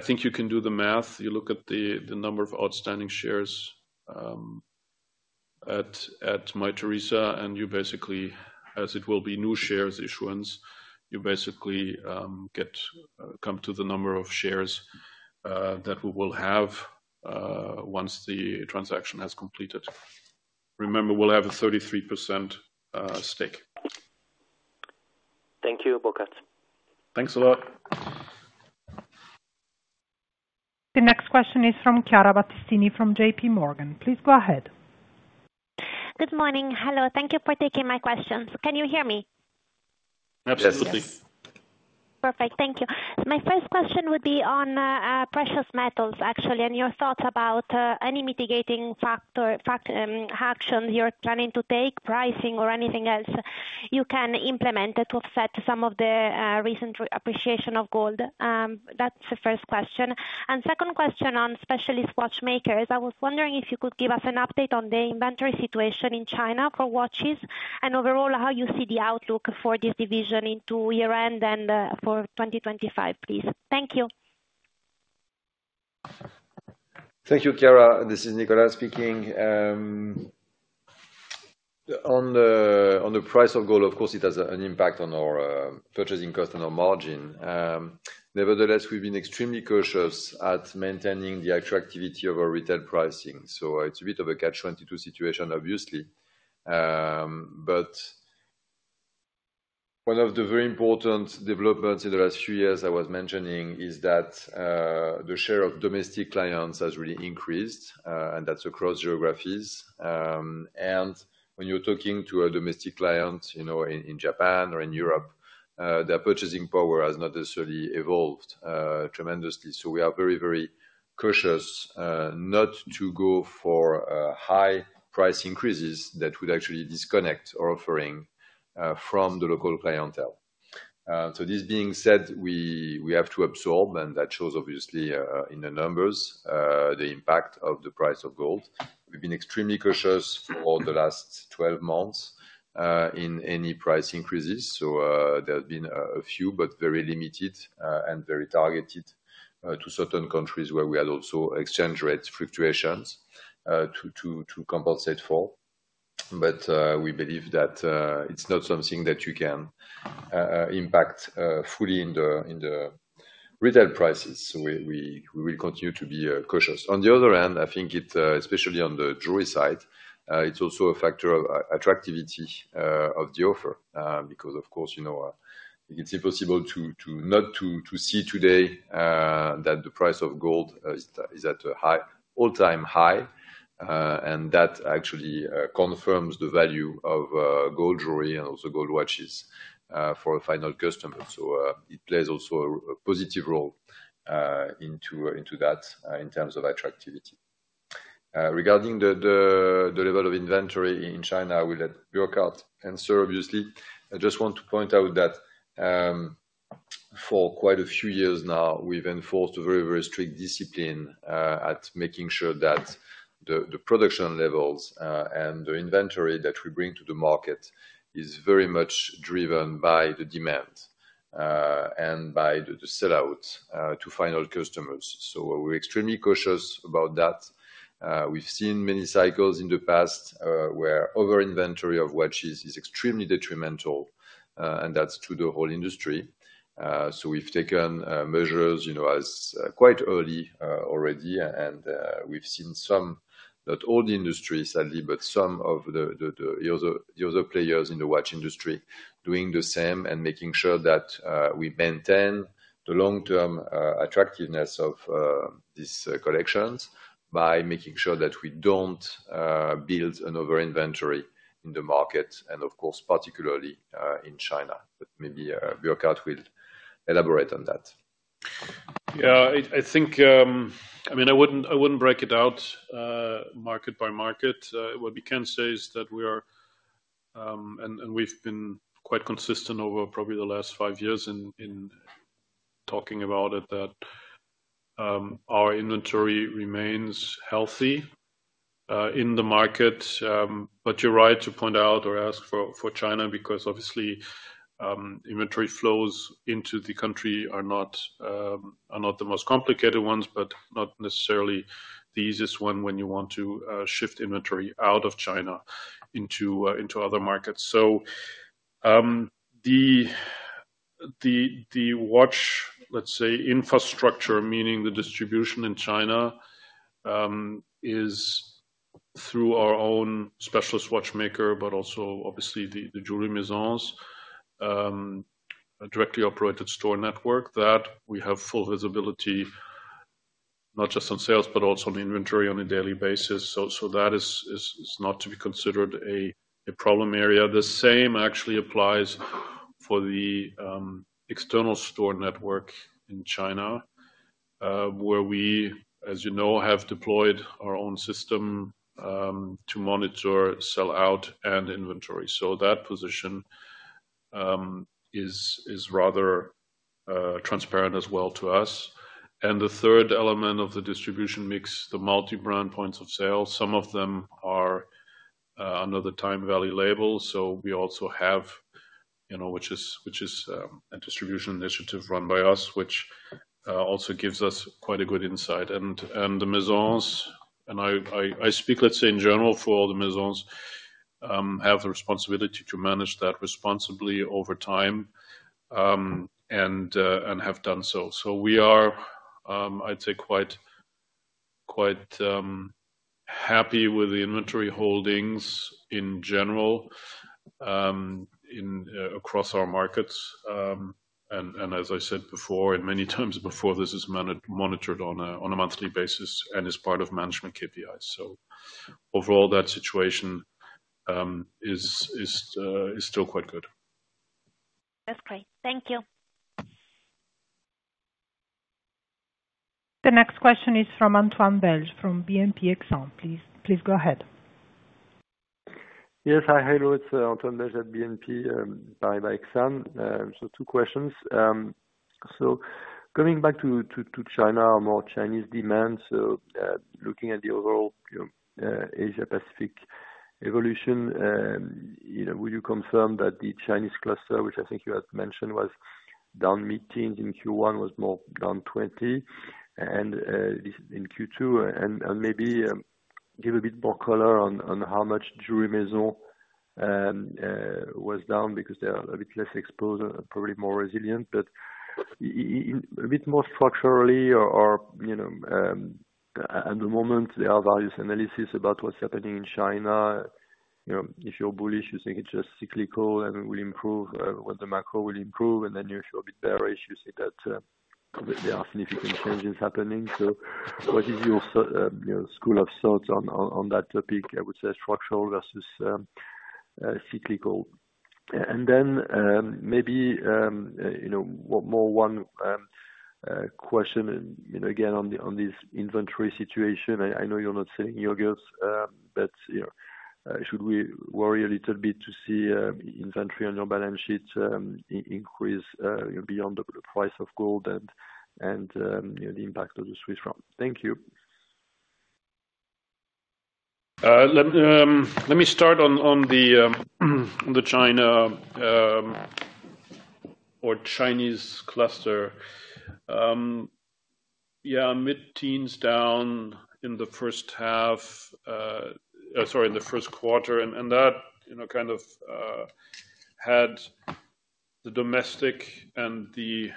think you can do the math. You look at the number of outstanding shares at Mytheresa and you basically as it will be new shares issuance, you basically come to the number of shares that we will have once the transaction has completed. Remember, we'll have a 33% stake. Thank you, Burkhart. Thanks a lot. The next question is from Chiara Battistini from J.P. Morgan. Please go ahead. Good morning. Hello. Thank you for taking my questions. Can you hear me? Perfect, thank you. My first question would be on precious metals, actually, and your thoughts about any mitigating factor, actions you're planning to take, pricing or anything else you can implement to offset some of the recent appreciation of gold. That's the first question. And second question on Specialist Watchmakers, I was wondering if you could give us an update on the inventory situation in China for watches and overall how you see the outlook for this division into year end and for 2025, please. Thank you. Thank you, Chiara. This is Nicolas speaking on the price of gold. Of course it has an impact on our purchasing cost and our margin. Nevertheless, we've been extremely cautious at maintaining the attractivity of our retail pricing. So it's a bit of a catch 22 situation, obviously. But one of the very important developments in the last few years I was mentioning is that the share of domestic clients has really increased and that's across geographies. And when you're talking to a domestic client in Japan or in Europe, their purchasing power has not necessarily evolved tremendously. So we are very, very cautious not to go for high price increases that would actually disconnect our offering from the local clientele. So this being said, we have to absorb, and that shows obviously in the numbers, the impact of the price of gold. We've been extremely cautious for the last 12 months in any price increases. So there have been a few, but very limited and very targeted to certain countries where we had also exchange rates fluctuations to compensate for. But we believe that it's not something that you can impact fully in the retail prices. So we will continue to be cautious. On the other hand, I think it, especially on the jewelry side, it's also a factor of attractivity of the offer because of course, you know, it's impossible to not to see today that the price of gold is at an all-time high and that actually confirms the value of gold jewelry and also gold watches for a final customer. So it plays also a positive role into that in terms of attractivity regarding the level of inventory in China. I will let Burkhart answer. Obviously I just want to point out that for quite a few years now we've enforced a very, very strict discipline at making sure that the production levels and the inventory that we bring to the market is very much driven by the demand and by the sellout to final customers. So we're extremely cautious about that. We've seen many cycles in the past where over inventory of watches is extremely detrimental and that's to the whole industry. So we've taken measures, you know, as quite early already and we've seen some, not all the industries sadly, but some of the other players in the watch industry doing the same and making sure that we maintain the long term attractiveness of these collections by making sure that we don't build an over inventory in the market and of course particularly in China. But maybe Burkhart will elaborate on that. Yeah, I think, I mean I wouldn't break it out market by market. What we can say is that we are, and we've been quite consistent over probably the last five years in talking about it, that our inventory remains healthy in the market. But you're right to point out or ask for China because obviously inventory flows into the country are not the most complicated ones, but not necessarily the easiest one when you want to shift inventory out of China into other markets. So the watch, let's say infrastructure, meaning the distribution in China is through our own Specialist Watchmakers but also obviously the jewelry Maisons, a directly operated store network that we have full visibility not just on sales but also on inventory on a daily basis. So that is not to be considered a problem area. The same actually applies for the external store network in China where we, as you know, have deployed our own system to monitor sell-out and inventory. So that position is rather transparent as well to us. And the third element of the distribution mix, the multi-brand points of sale, some of them are under the TimeVallée label. So we also have, you know, which is a distribution initiative run by us which also gives us quite a good insight. And the maisons and I speak, let's say in general for all the maisons, have the responsibility to manage that responsibly over time and have done so. So we are, I'd say, quite happy with the inventory holdings in general across our markets and, as I said before and many times before, this is monitored on a monthly basis and is part of management KPIs. Overall that situation is still quite good. That's great. Thank you. The next question is from Antoine Belge from BNP Paribas Exane. Please go ahead. Yes, hi, hello, it's Antoine Belge at BNP Paribas Exane. So, two questions. So coming back to China or more Chinese demand? So looking at the overall Asia Pacific evolution, will you confirm that the Chinese cluster, which I think you had mentioned was down mid-teens% in Q1 was more down 20% in Q2 and maybe give a bit more color on how much jewelry Maisons were down because they are a bit less exposed, probably more resilient, but a bit more structurally or, you know, at the moment, there are various analysis about what's happening in China. If you're bullish, you think it's just cyclical and will improve what the macro will improve, and then you feel a bit bearish, you see that there are significant changes happening. So what is your school of thought on that topic? I would say structural versus cyclical and then maybe, you know, more. One question again on this inventory situation. I know you're not selling yogurts, but should we worry a little bit to see inventory on your balance sheet increase beyond the price of gold and the impact of the Swiss franc? Thank you. Let me start on the China or Chinese cluster. Yeah. Mid-teens down in the first half. Sorry, in the first quarter. And that kind of had the domestic and the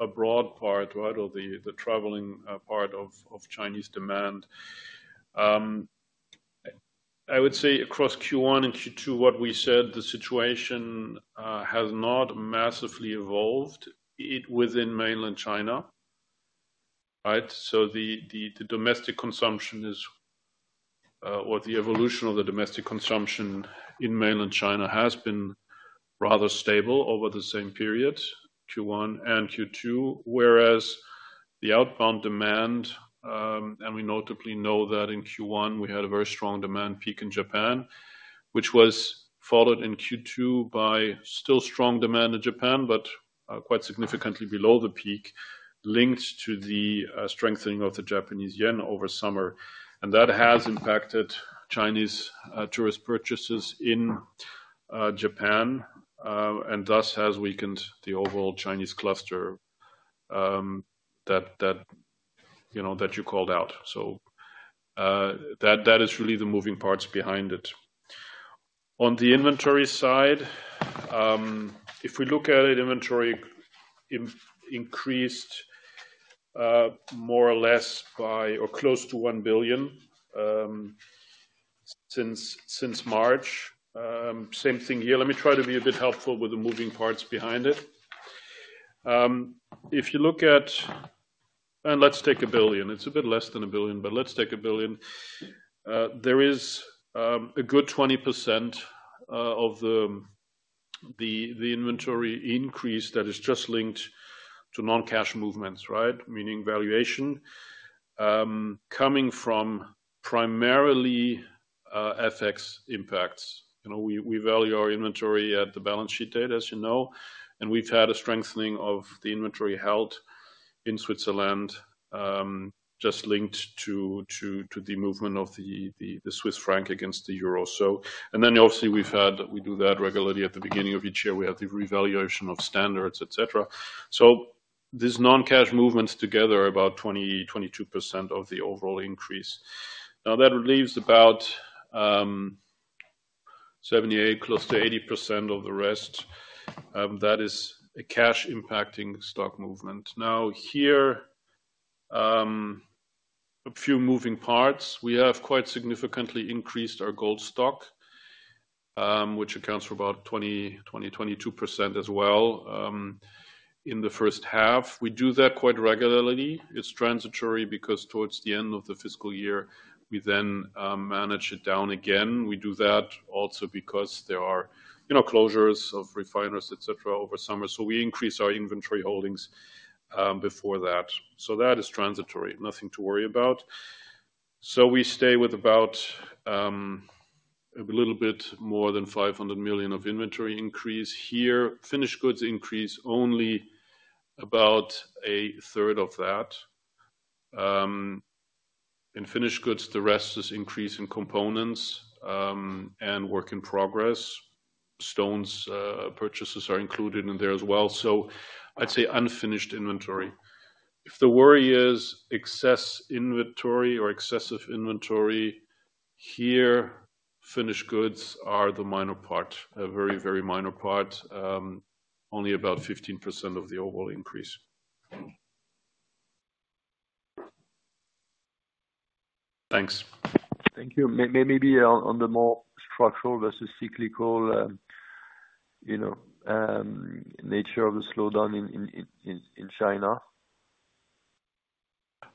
abroad part. Right. The traveling part of Chinese demand, I would say across Q1 and Q2, what we said, the situation has not massively evolved. It was in Mainland China. Right. The evolution of the domestic consumption in Mainland China has been rather stable over the same period, Q1 and Q2, whereas the outbound demand. And we notably know that in Q1 we had a very strong demand peak in Japan, which was followed in Q2 by still strong demand in Japan, but quite significantly below the peak linked to the strengthening of the Japanese yen over summer. That has impacted Chinese tourist purchases in Japan and thus has weakened the overall Chinese cluster that, you know, that you called out. That is really the moving parts behind it. On the inventory side, if we look at it, inventory increased more or less by or close to 1 billion since March. Same thing here. Let me try to be a bit helpful with the moving parts behind it. Let's take a billion, it's a bit less than a billion, but let's take a billion. There is a good 20% of the inventory increase that is just linked to non cash movements. Right. Meaning valuation coming from primarily FX impacts. We value our inventory at the balance sheet date, as you know, and we've had a strengthening of the inventory held in Switzerland just linked to the movement of the Swiss franc against the euro. And then obviously, we do that regularly at the beginning of each year we have the revaluation of inventories, etc. So these non-cash movements together about 20-22% of the overall increase. Now that leaves about 78%, close to 80%, of the rest. That is a cash-impacting stock movement. Now, here are a few moving parts. We have quite significantly increased our gold stock which accounts for about 20-22% as well in the first half. We do that quite regularly. It's transitory because towards the end of the fiscal year we then manage it down again. We do that also because there are, you know, closures of refiners etc. over summer. So we increase our inventory holdings before that. So that is transitory, nothing to worry about. So we stay with about a little bit more than 500 million of inventory increase here. Finished goods increase only about a third of that in finished goods. The rest is increase in components and work in progress. Stones purchases are included in there as well. So I'd say unfinished inventory. If the worry is excess inventory or excessive inventory here, finished goods are the minor part. A very, very minor part. Only about 15% of the overall increase. Thanks. Thank you. Maybe on the more structural versus cyclical, you know, nature of the slowdown in China.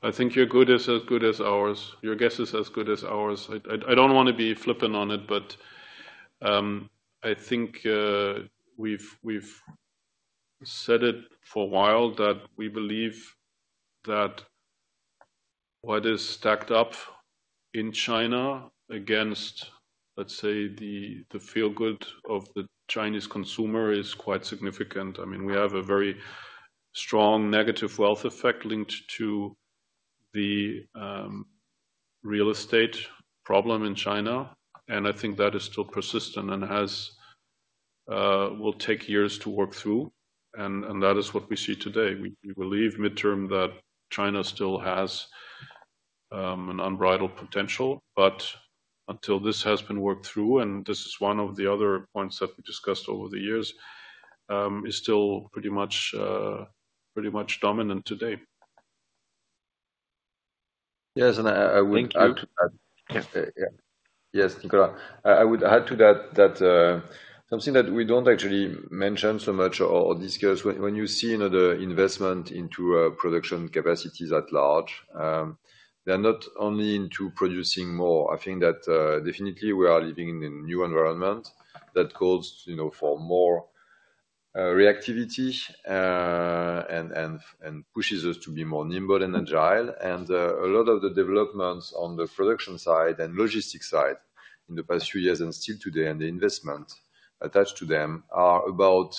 I think your good is as good as ours. Your guess is as good as ours. I don't want to be flipping on it but I think we've set it for a while that we believe that what is stacked up in China against, let's say the. The feel good of the Chinese consumer is quite significant. I mean we have a very strong negative wealth effect linked to the real estate problem in China. And I think that is still persistent and has will take years to work through. And that is what we see today. We believe midterm that China still has an unbridled potential but until this has been worked through and this is one of the other points that we discussed over the years is still pretty much dominant today. Yes, and I will. Yes, Nicolas, I would add to that something that we don't actually mention so much or discuss when you see the investment into production capacities at large. They're not only into producing more. I think that definitely we are living in a new environment that calls for more reactivity and pushes us to be more nimble and agile, and a lot of the developments on the production side and logistics side in the past few years and still today, and the investment attached to them are about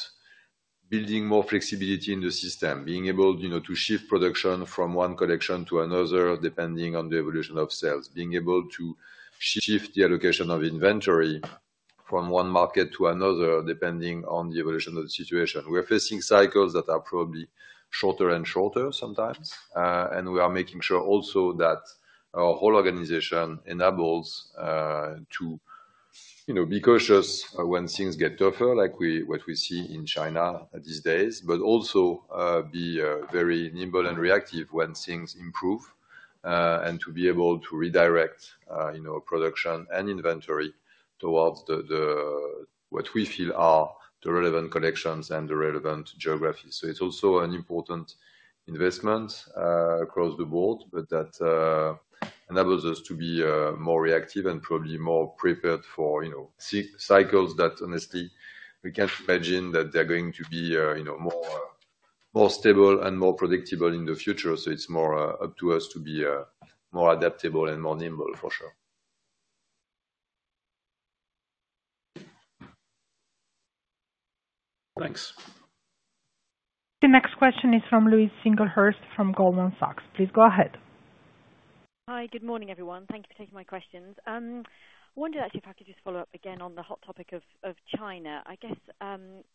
building more flexibility in the system, being able, you know, to shift production from one collection to another depending on the evolution of sales, being able to shift the allocation of inventory from one market to another depending on the evolution of the situation. We're facing cycles that are probably shorter and shorter sometimes. We are making sure also that our whole organization enables to be cautious when things get tougher, like what we see in China these days, but also be very nimble and reactive when things improve, and to be able to redirect production and inventory towards what we feel are the relevant collections and the relevant geographies. It's also an important investment across the board. That enables us to be more reactive and probably more prepared for, you know, cycles that honestly, we can't imagine that they're going to be, you know, more. More stable and more predictable in the future. It's more up to us to be more adaptable and more nimble for. Thanks. The next question is from Louise Singlehurst from Goldman Sachs. Please go ahead. Hi, good morning, everyone. Thank you for taking my questions. I wondered actually if I could just follow up again on the hot topic of China. I guess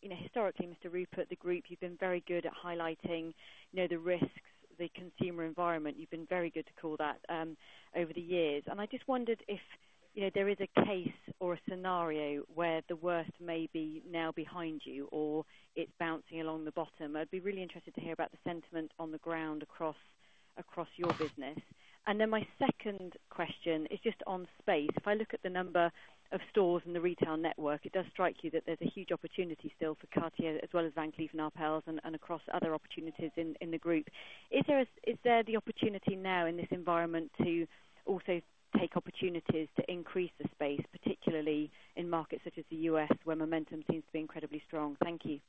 historically, Mr. Rupert, the group, you've been very good at highlighting the risks. The consumer environment, you've been very good to call that over the years. I just wondered if there is a case or a scenario where the worst may be now behind you or it's bouncing along the bottom. I'd be really interested to hear about the sentiment on the ground across your business. And then my second question is just on space. If I look at the number of stores in the retail network, it does strike you that there's a huge opportunity still for Cartier as well as Van Cleef & Arpels, and across other opportunities in the group. Is there the opportunity now in this environment to also take opportunities to increase the space, particularly in markets such as the U.S. where momentum seems to be incredibly strong? Thank you.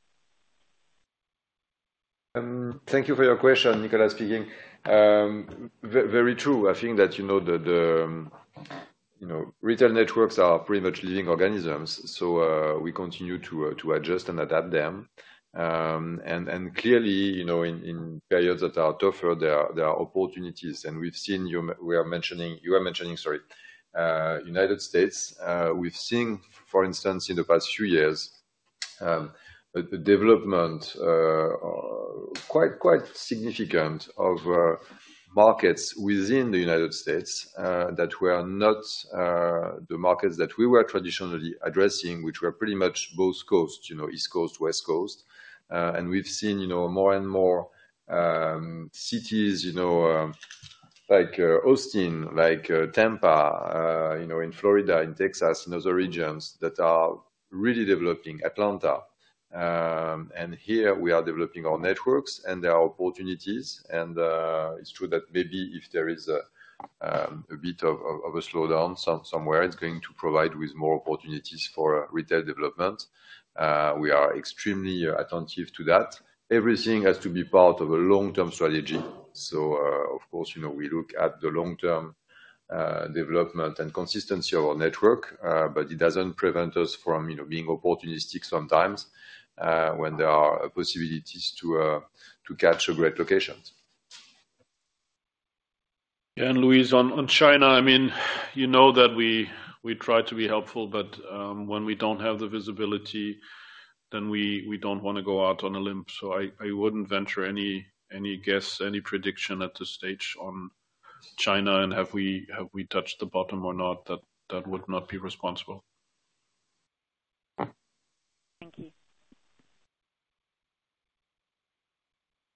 Thank you for your question. Nicolas speaking. Very true. I think that, you know, retail networks are pretty much living organisms, so we continue to adjust and adapt them, and clearly in periods that are tougher, there are opportunities, and we've seen, we are mentioning, you are mentioning, sorry, United States. We've seen, for instance in the past few years the development quite significant of markets within the United States that were not the markets that we were traditionally addressing, which were pretty much both coasts, you know, east coast, west coast. We've seen, you know, more and more cities, you know, like Austin, like Tampa in Florida, in Texas, in other regions that are really developing Atlanta and here we are developing our networks and there are opportunities and it's true that maybe if there is a bit of a slowdown somewhere, it's going to provide with more opportunities for retail development. We are extremely attentive to that. Everything has to be part of a long term strategy. Of course, you know, we look at the long term development and consistency of our network, but it doesn't prevent us from, you know, being opportunistic sometimes when there are possibilities to catch a great location. Louise, on China, I mean, you know that we try to be helpful but when we don't have the visibility, then we don't want to go out on a limb. So I wouldn't venture any guess, any prediction at this stage on China and have we touched the bottom or not? That would not be responsible. Thank you.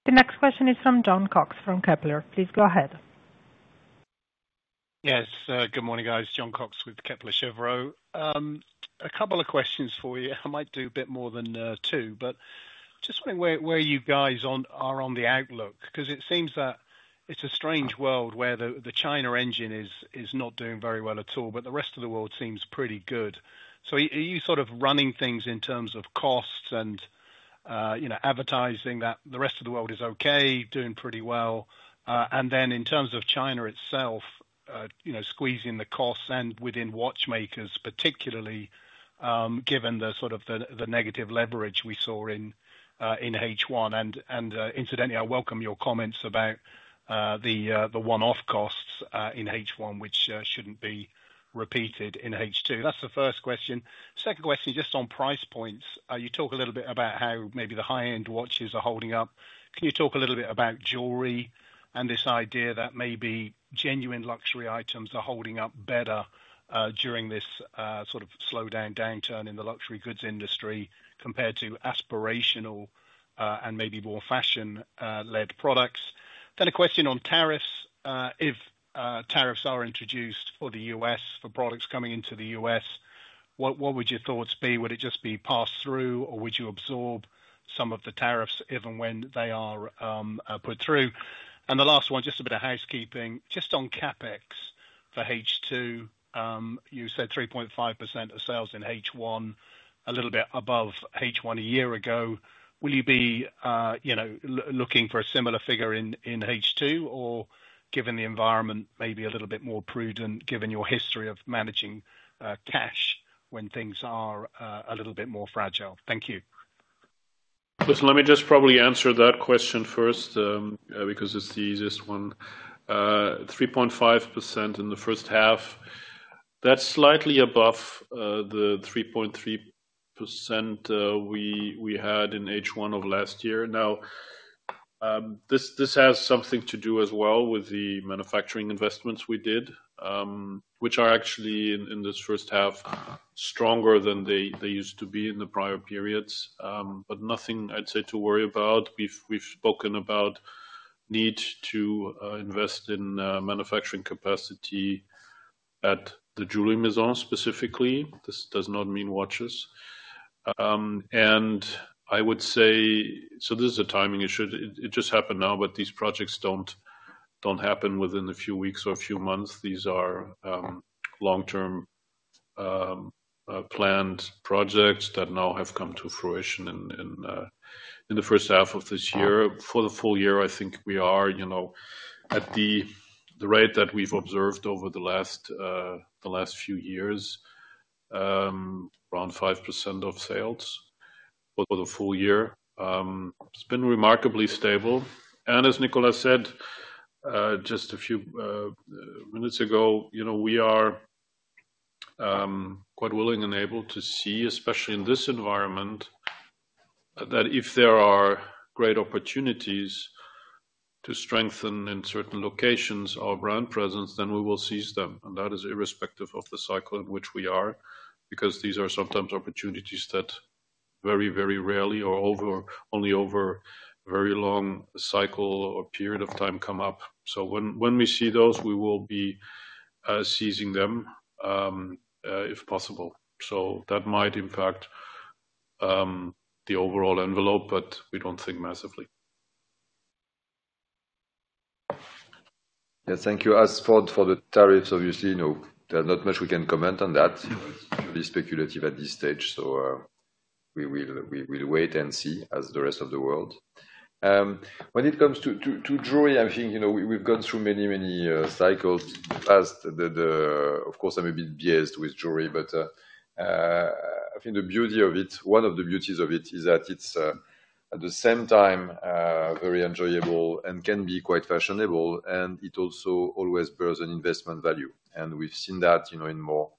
The next question is from John Cox, from Kepler, please go ahead. Yes, good morning guys. John Cox with Kepler Cheuvreux. A couple of questions for you. I might do a bit more than two, but just wondering where you guys are on the outlook because it seems that it's a strange world where the China engine is not doing very well at all but the rest of the world seems pretty good. So are you sort of running things in terms of costs and advertising that the rest of the world is okay, doing pretty well? And then in terms of China, it's, you know, squeezing the costs and within watchmakers, particularly given the sort of the negative leverage we saw in H1. And incidentally, I welcome your comments about the one off costs in H1 which shouldn't be repeated in H2. That's the first question. Second question, just on price points, you talk a little bit about how maybe the high end watches are holding up. Can you talk a little bit about jewelry and this idea that maybe genuine luxury items are holding up better during this sort of slowdown downturn in the luxury goods industry compared to aspirational and maybe more fashion led products. Then a question on tariffs. If tariffs are introduced for the U.S. for products coming into the U.S. what would your thoughts be? Would it just be passed through or would you absorb some of the tariffs even when they are put through. And the last one, just a bit of housekeeping. Just on CapEx for H2, you said 3.5% of sales in H1 a little bit above H1 a year ago. Will you be, you know, looking for a similar figure in H2 or given the environment, maybe a little bit more prudent given your history of managing cash when things are a little bit more fragile? Thank you. Let me just probably answer that question first because it's the easiest one, 3.5% in the first half. That's slightly above the 3.3% we had in H1 of last year. Now this has something to do as well with the manufacturing investments we did which are actually in this first half stronger than they used to be in the prior periods. But nothing I'd say to worry about. We've spoken about need to invest in manufacturing capacity at the Jewelry Maison specifically. This does not mean watches, and I would say so this is a timing issue. It just happened now, but these projects don't happen within a few weeks or a few months. These are long term planned projects that now have come to fruition in the first half of this year for the full year. I think we are, you know, at the rate that we've observed over the last, the last few years, around 5% of sales over the full year been remarkably stable. And as Nicolas said just a few minutes ago, you know, we are quite willing and able to see, especially in this environment that if there are great opportunities to strengthen in certain locations our brand presence, then we will seize them. And that is irrespective of the cycle in which we are. Because these are sometimes opportunities that very, very rarely or over, only over very long cycle or period of time come up. So when we see those, we will be seizing them if possible. So that might impact the overall envelope. But we don't think massively. Yes, thank you. As for the tariffs. Obviously. No, there's not much we can comment on that's speculative at this stage. So we will wait and see. As the rest of the world, when it comes to jewelry, I think we've gone through many, many cycles. And of course I'm a bit biased with jewelry, but I think the beauty of it, one of the beauties of it is that it's at the same time very enjoyable and can be quite fashionable and it also always bears an investment value. And we've seen that, you know, in more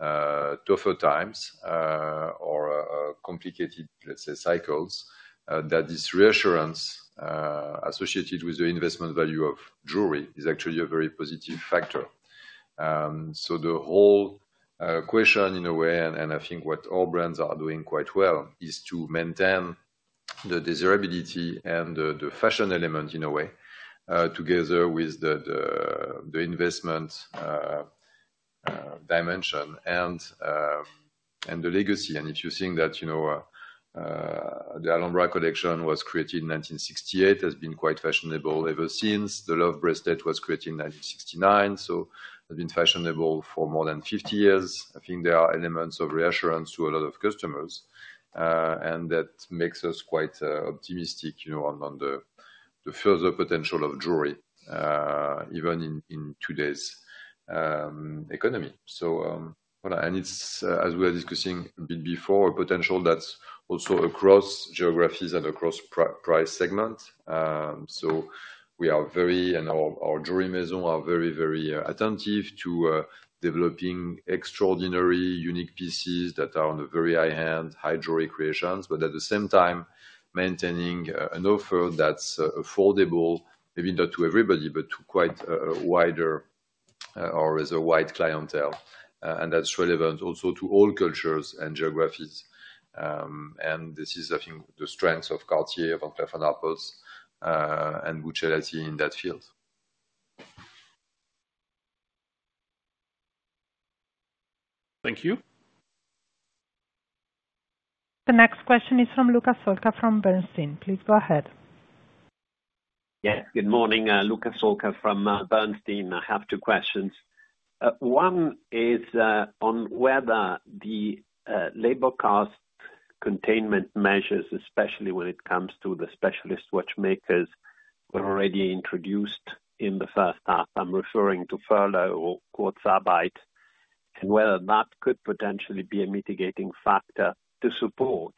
tougher times or complicated, let's say cycles that this reassurance associated with the investment value of jewelry is actually a very positive factor. So the whole question, in a way, and I think what all brands are doing quite well, is to maintain the desirability and the fashion element in a way, together with the investment dimension and the legacy, and if you think that, you know, the Alhambra collection was created in 1968, has been quite fashionable ever since the Love bracelet was created in 1969, it's been fashionable for more than 50 years. I think there are elements of reassurance to a lot of customers and that makes us quite optimistic, you know, on the further potential of jewelry even in today's economy. So and it's as we are discussing a bit before, a potential that's also across geographies and across price segment. So we are very, and our jewelry maisons are very, very attentive to developing extraordinary unique pieces that are on the very high-end high jewelry creations, but at the same time maintaining an offer that's affordable, maybe not to everybody, but to quite wider or as a wide clientele. That's relevant also to all cultures and geographies. This is, I think, the strength of Cartier, Van Cleef & Arpels, and Buccellati in that field. Thank you. The next question is from Luca Solca from Bernstein. Please go ahead. Yes, good morning. Luca Solca from Bernstein. I have two questions. One is on whether the labor cost containment measures, especially when it comes to the specialist watchmakers, were already introduced in the first half. I'm referring to furlough or Kurzarbeit, and whether that could potentially be a. Mitigating factor to support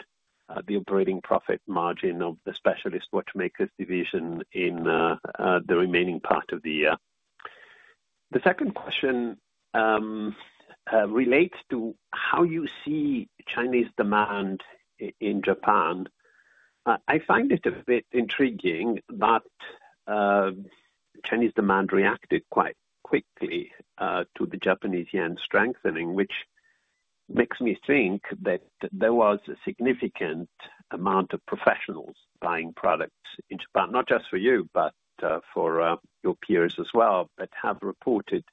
the operating profit. Margin of the Specialist Watchmakers division in the remaining part of the year. The second question relates to how you see Chinese demand in Japan. I find it a bit intriguing, but Chinese demand reacted quite quickly to the Japanese yen strengthening, which makes me think that there was a significant amount of professionals buying products in Japan, not just for you, but for your peers as well, that have reported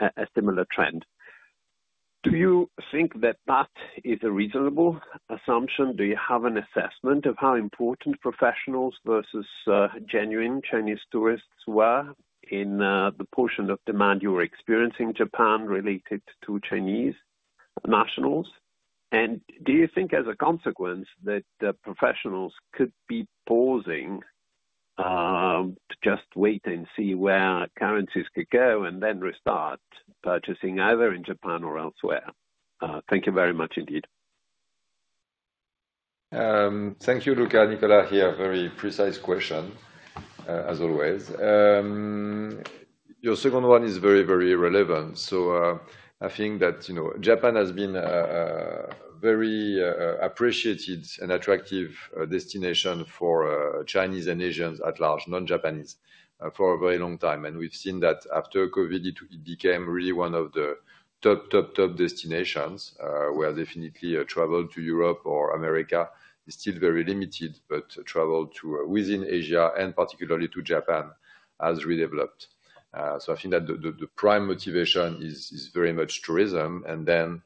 a similar trend. Do you think that that is a reasonable assumption? Do you have an assessment of how important professionals versus genuine Chinese tourists were in the portion of demand you were experiencing in Japan related to Chinese nationals? And do you think as a consequence that professionals could be pausing to just wait and see where currencies could go and then restart purchasing either in Japan or elsewhere? Thank you very much indeed. Thank you, Luca. Nicolas here, very precise question as always. Your second one is very, very relevant. So I think that, you know, Japan has been very appreciated and attractive destination for Chinese and Asians at large, non-Japanese for a very long time. And we've seen that after COVID, it became really one of the top, top, top destinations where definitely travel to Europe or America is still very limited, but travel to within Asia and particularly to Japan has redeveloped. So I think that the prime motivation is very much tourism and then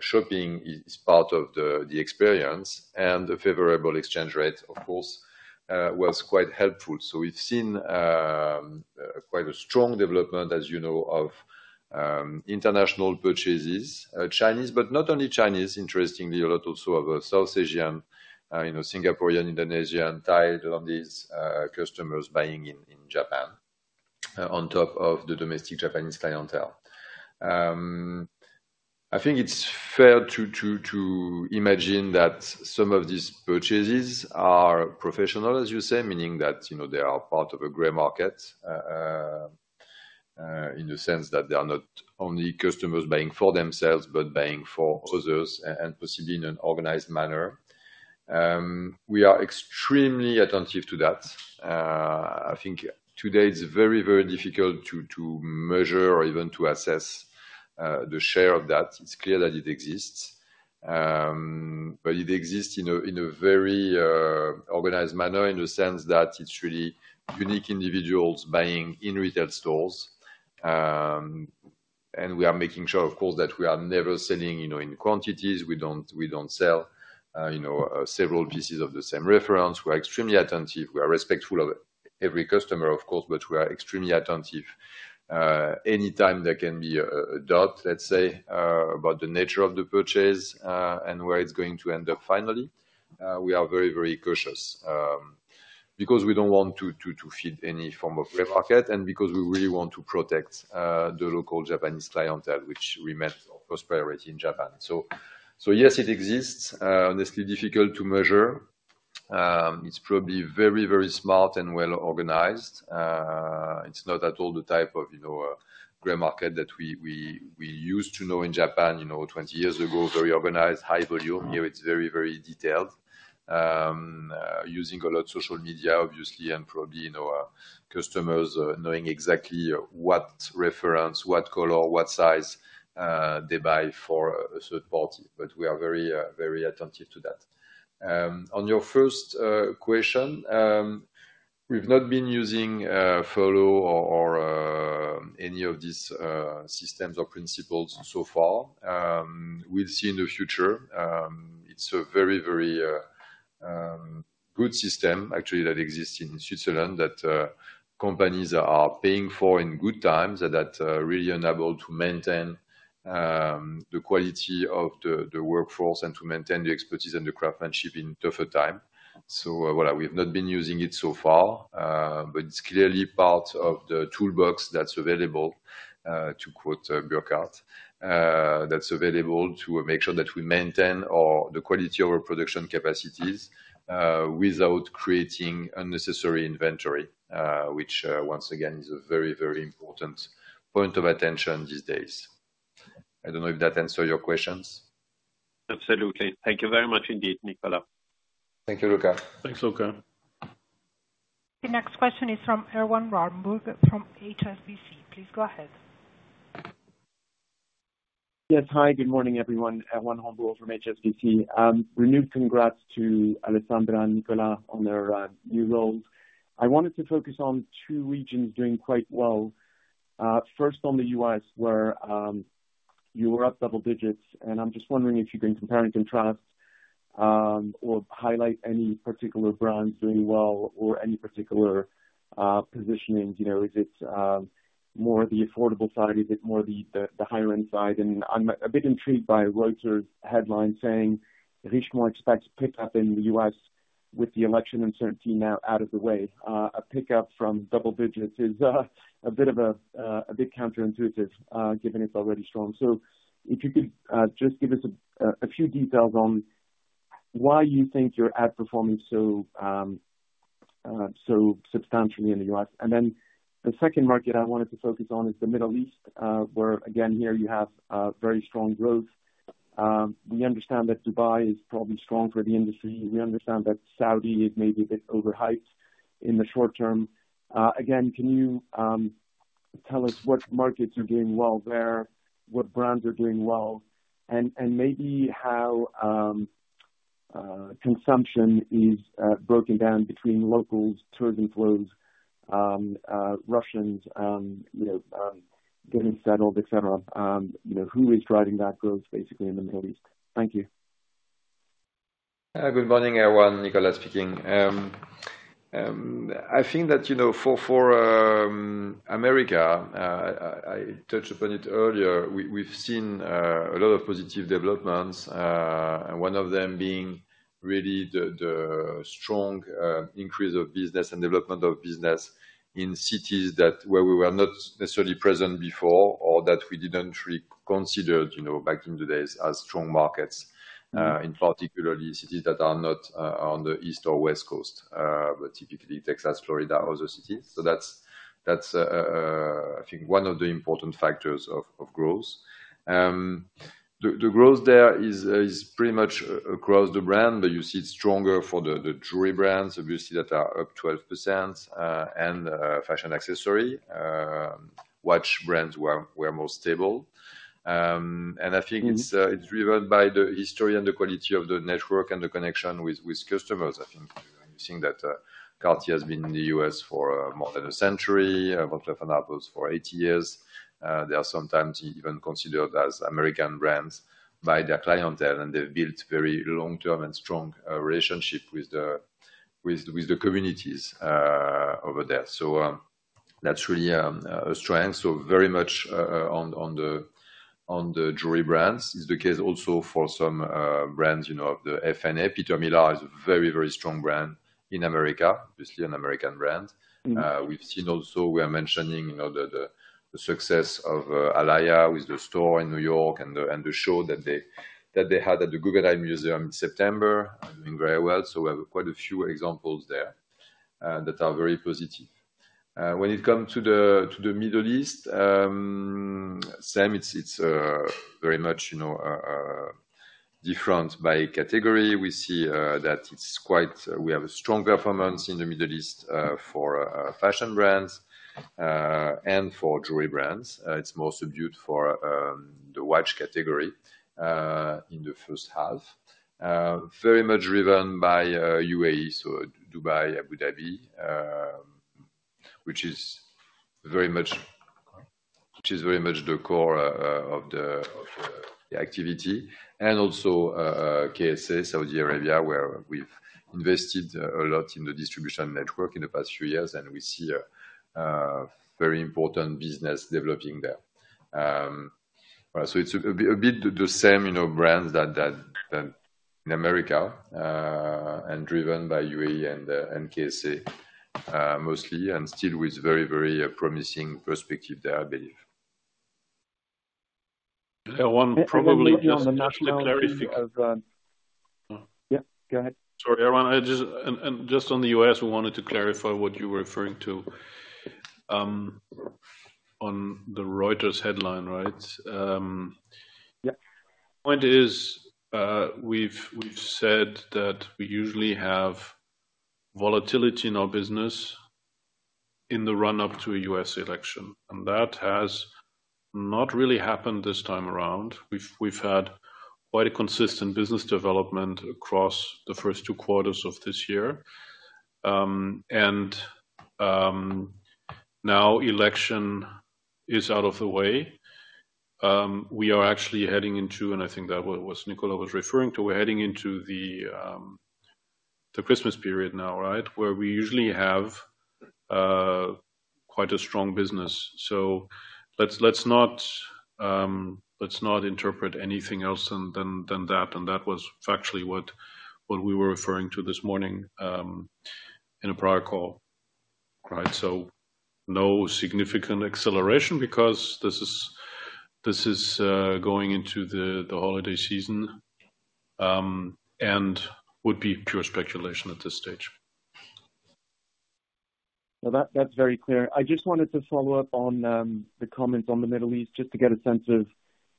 shopping is part of the experience and a favorable exchange rate, of course, was quite helpful. So we've seen quite a strong development, as you know, of international purchases. Chinese, but not only Chinese, interestingly a lot also of South Asian, you know, Singaporean, Indonesian and Thai. These customers buying in Japan on top of the domestic Japanese clientele. I think it's fair to imagine that some of these purchases are professional, as you say, meaning that, you know, they are part of a gray market in the sense that they are not only customers buying for themselves, but buying for others and possibly in an organized manner. We are extremely attentive to that. I think today it's very, very difficult to measure or even to assess the share of that. It's clear that it exists, but it exists in a very organized manner in the sense that it's really unique. Individuals buying in retail stores. We are making sure, of course, that we are never selling, you know, in quantities. We don't sell, you know, several pieces of the same reference. We're extremely attentive. We are respectful of every customer, of course, but we are extremely attentive anytime there can be a doubt, let's say, about the nature of the purchase and where it's going to end up. Finally, we are very, very cautious because we don't want to feed any form of resale and because we really want to protect the local Japanese clientele, which remains first priority in Japan. So yes, it exists, honestly, difficult to measure. It's probably very, very smart and well organized. It's not at all the type of, you know, gray market that we used to know in Japan, you know, 20 years ago. Very organized, high volume. Here it's very, very detailed, using a lot of social media, obviously, and probably, you know, customers knowing exactly what reference, what color, what size they buy for a third party. But we are very, very attentive to that. On your first question, we've not been using furlough or any of these systems or principles so far. We'll see in the future. It's a very, very good system, actually, that exists in Switzerland that companies are paying for in good times that really enable to maintain the quality of the workforce and to maintain the expertise and the craftsmanship in tougher times. So, well, we have not been using it so far, but it's clearly part of the toolbox that's available to quote Burkhart, that's available to make sure that we maintain the quality of our production capacities without creating unnecessary inventory, which once again is a very, very important point of attention these days. I don't know if that answers your questions. Absolutely. Thank you very much indeed, Nicolas. Thank you, Luca. Thanks, Luca. The next question is from Erwan Rambourg from HSBC. Please go ahead. Yes. Hi, good morning everyone. From HSBC renewed congrats to Alessandra and Nicolas on their new roles. I wanted to focus on two regions doing quite well. First on the US where you were up double digits. And I'm just wondering if you can compare and contrast or highlight any particular brands doing well or any particular positioning. Is it more the affordable side? Is it more the higher end side? And I'm a bit intrigued by Reuters headline saying Richemont expects pickup in the US with the election uncertainty now out of the way, a pickup from double digits is a bit counterintuitive given it's already strong. So if you could just give us a few details on why you think you're outperforming so substantially in the U.S. and then the second market I wanted to focus on is the Middle East, where again here you have very strong growth. We understand that Dubai is probably strong for the industry. We understand that Saudi, it may be a bit overhyped in the short term. Again, can you tell us what markets are doing well there, what brands are doing well, and maybe how consumption is broken down between locals, tourism flows, Russians getting settled, et cetera. Who is driving that growth basically in the Middle East? Thank you. Good morning, everyone. Nicolas speaking. I think that for America, I touched upon it earlier. We've seen a lot of positive developments, one of them being really the strong increase of business and development of business in cities that were we were not necessarily present before or that we didn't really consider, you know, back in the days as strong markets in particular cities that are not on the east or west coast, but typically Texas, Florida or the cities. So that's, I think one of the important factors of growth. The growth there is pretty much across the brand. But you see it's stronger for the jewelry brands, obviously that are up 12% and fashion accessory watch brands were more stable. I think it's driven by the history and the quality of the network and the connection with customers. I think that Cartier has been in the U.S. for more than a century. Van Cleef & Arpels for 80 years. They are sometimes even considered as American brands by their clientele and they've built very long term and strong relationship with the communities over there. So that's really a strength. So very much on the jewelry brands is the case also for some brands. You know, Peter Millar is the very, very strong brand in America. Obviously an American brand. We've seen also we are mentioning, you know, the success of Alaïa with the store in New York and the show that they had at the Guggenheim Museum in September. Very well. So we have quite a few examples there that are very positive when it comes to the Middle East. Sam. It's very much, you know, different by category. We see that we have a strong performance in the Middle East for fashion brands and for jewelry brands it's more subdued for the watch category in the first half, very much driven by UAE, so Dubai, Abu Dhabi which is very much the core of the activity and also KSA Saudi Arabia where we've invested a lot in the distribution network in the past few years and we see a very important business developing there. So it's a bit the same brands that in America and driven by UAE and KSA mostly and still with very, very promising perspective there, I believe. Erwan, probably on the national level. Yeah, go ahead. Sorry Erwan, just on the U.S. we wanted to clarify what you were referring to on the Reuters headline. Right. Point is we've said that we usually have volatility in our business in the run up to a U.S. election and that has not really happened this time around. We've had quite a consistent business development across the first two quarters of this year and now election is out of the way. We are actually heading into, and I think that was Nicolas was referring to we're heading into the Christmas period now. Right. Where we usually have quite a strong business. So let's not interpret anything else than that. And that was factually what we were referring to this morning in a prior call. So no significant acceleration because this is going into the holiday season and would be pure speculation at this stage. That's very clear. I just wanted to follow up on the comments on the Middle East just to get a sense of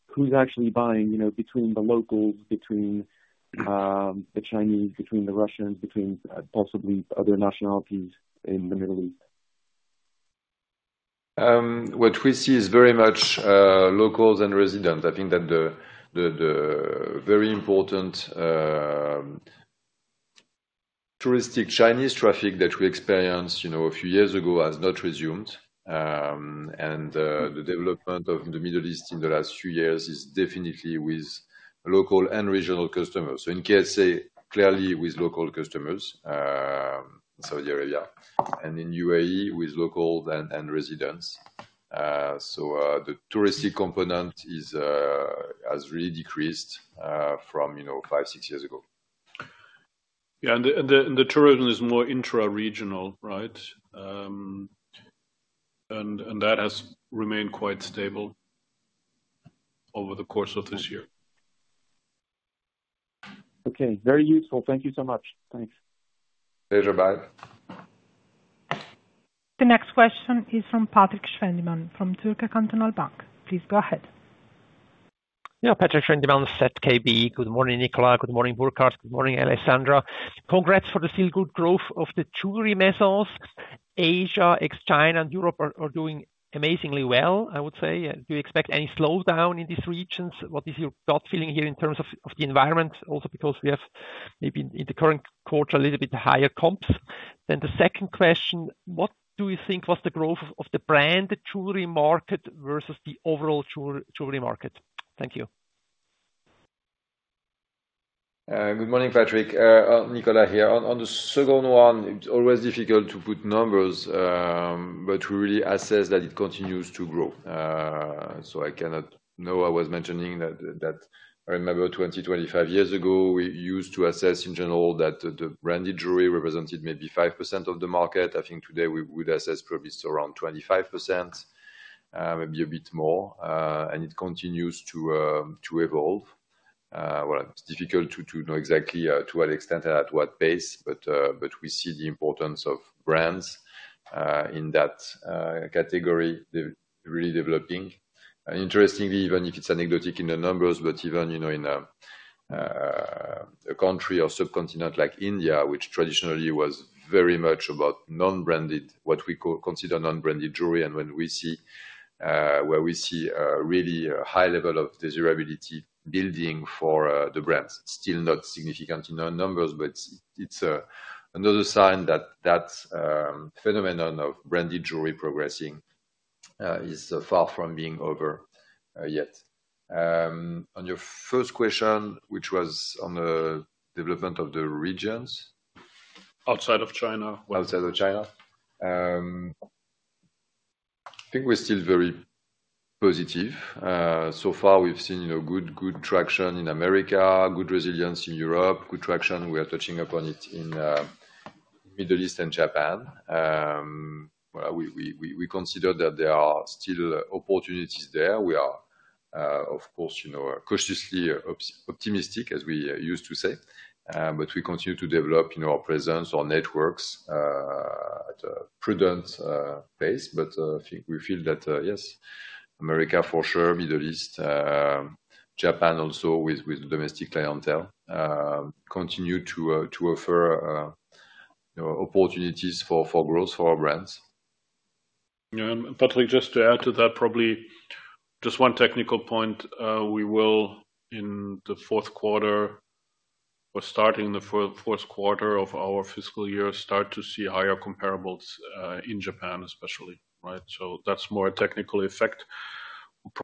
who's actually buying between the locals, between the Chinese, between the Russians, between possibly other nationalities in the Middle East. What we see is very much locals and residents. I think that the very important touristic Chinese traffic that we experienced a few years ago has not resumed. And the development of the Middle East in the last few years is definitely with local and regional customers. So in KSA, clearly with local customers, Saudi Arabia and in UAE with locals and residents. So the touristic component has really decreased from, you know, five, six years ago. Yeah. And the tourism is more intra-regional. Right. And that has remained quite stable over the course of this year. Okay, very useful. Thank you so much. Thanks. The next question is from Patrick Schwendemann from Zürcher Kantonalbank. Please go ahead. Yeah. Patrick Schwendemann, ZKB. Good morning, Nicolas. Good morning, Burkhart. Good morning, Alessandra. Congrats for the still good growth of the jewelry maisons. Asia ex China and Europe are doing. Amazingly well, I would say. Do you expect any slowdown in these regions? What is your gut feeling here in terms of the environment? Also because we have maybe in the. Current quarter a little bit higher comps. Then the second question, what do you. Think was the growth of the brand. Jewelry market versus the overall jewelry market? Thank you. Good morning, Patrick. Nicolas here on the second one. It's always difficult to put numbers, but we really assess that it continues to grow. So I cannot know, I was mentioning that, that I remember 20, 25 years ago we used to assess in general that the branded jewelry represented maybe 5% of the market. I think today we would assess probably around 25%, maybe a bit more. And it continues to evolve. It's difficult to know exactly to what extent and at what pace, but we see the importance of brands in that category, the really developing and interestingly, even if it's anecdotic in the numbers, but even, you know, in a country or subcontinent like India, which traditionally was very much about non-branded, what we consider non-branded jewelry and when we see a really high level of desirability building for the brands, still not significant in our numbers. But it's another sign that that phenomenon of branded jewelry progressing is far from being over yet. On your first question, which was on the development of the regions outside of. China, outside of China. I think we're still very positive. So far we've seen good traction in Americas, good resilience in Europe, good traction. We are touching upon it in Middle East and Japan. We consider that there are still opportunities there. We are of course cautiously optimistic, as we used to say, but we continue to develop our presence, our networks at a prudent pace. But we feel that yes, Americas for sure, Middle East, Japan, also with domestic clientele, continue to offer opportunities for growth for our brands. Patrick, just to add to that, probably just one technical point. We will in the fourth quarter or starting the fourth quarter of our fiscal year start to see higher comparables in Japan especially. Right. So that's more a technical effect.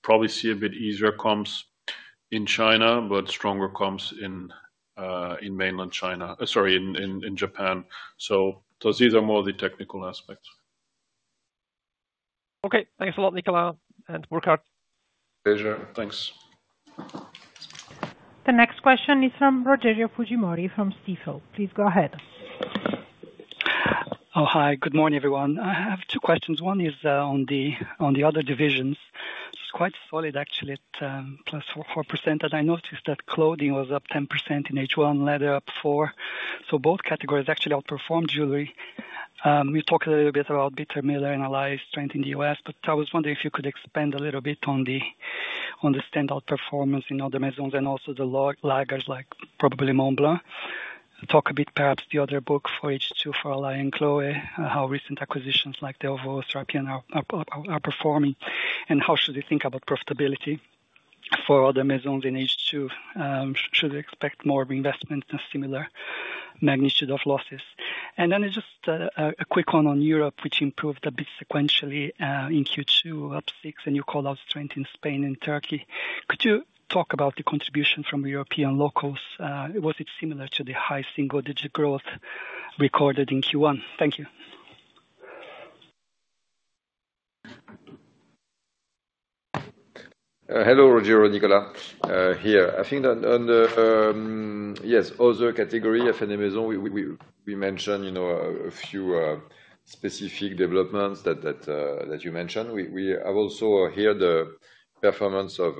Probably see a bit easier comps in China, but stronger comps in mainland China, sorry in Japan. So these are more the technical aspects. Okay, thanks a lot Nicolas and Burkhart. Pleasure, thanks. The next question is from Rogerio Fujimori from Stifel. Please go ahead. Oh, hi, good morning everyone. I have two questions. One is on the other divisions. It's quite solid actually at +4% and I noticed that clothing was up 10% in H1, leather up 4%. So both categories actually outperformed jewelry. We talked a little bit about Peter Millar and Alaïa’s trend in the U.S. But I was wondering if you could expand a little bit on the standout performance in other maisons and also the laggards like probably Montblanc talk a bit perhaps the outlook for H2 for Alaïa and Chloé, how recent acquisitions like Delvaux, Serapian are performing and how should they think about profitability for other maisons in H2 should we expect more investments and similar magnitude of losses? And then just a quick one on Europe, which improved a bit sequentially in Q2, up 6%, and you call out strength in Spain and Turkey. Could you talk about the contribution from European locals? Was it similar to the high single-digit growth recorded in Q1? Thank you. Hello, Roger Nicola here. I think under the other category of an Amazon we mentioned, you know, a few specific developments that you mentioned. We have also here the performance of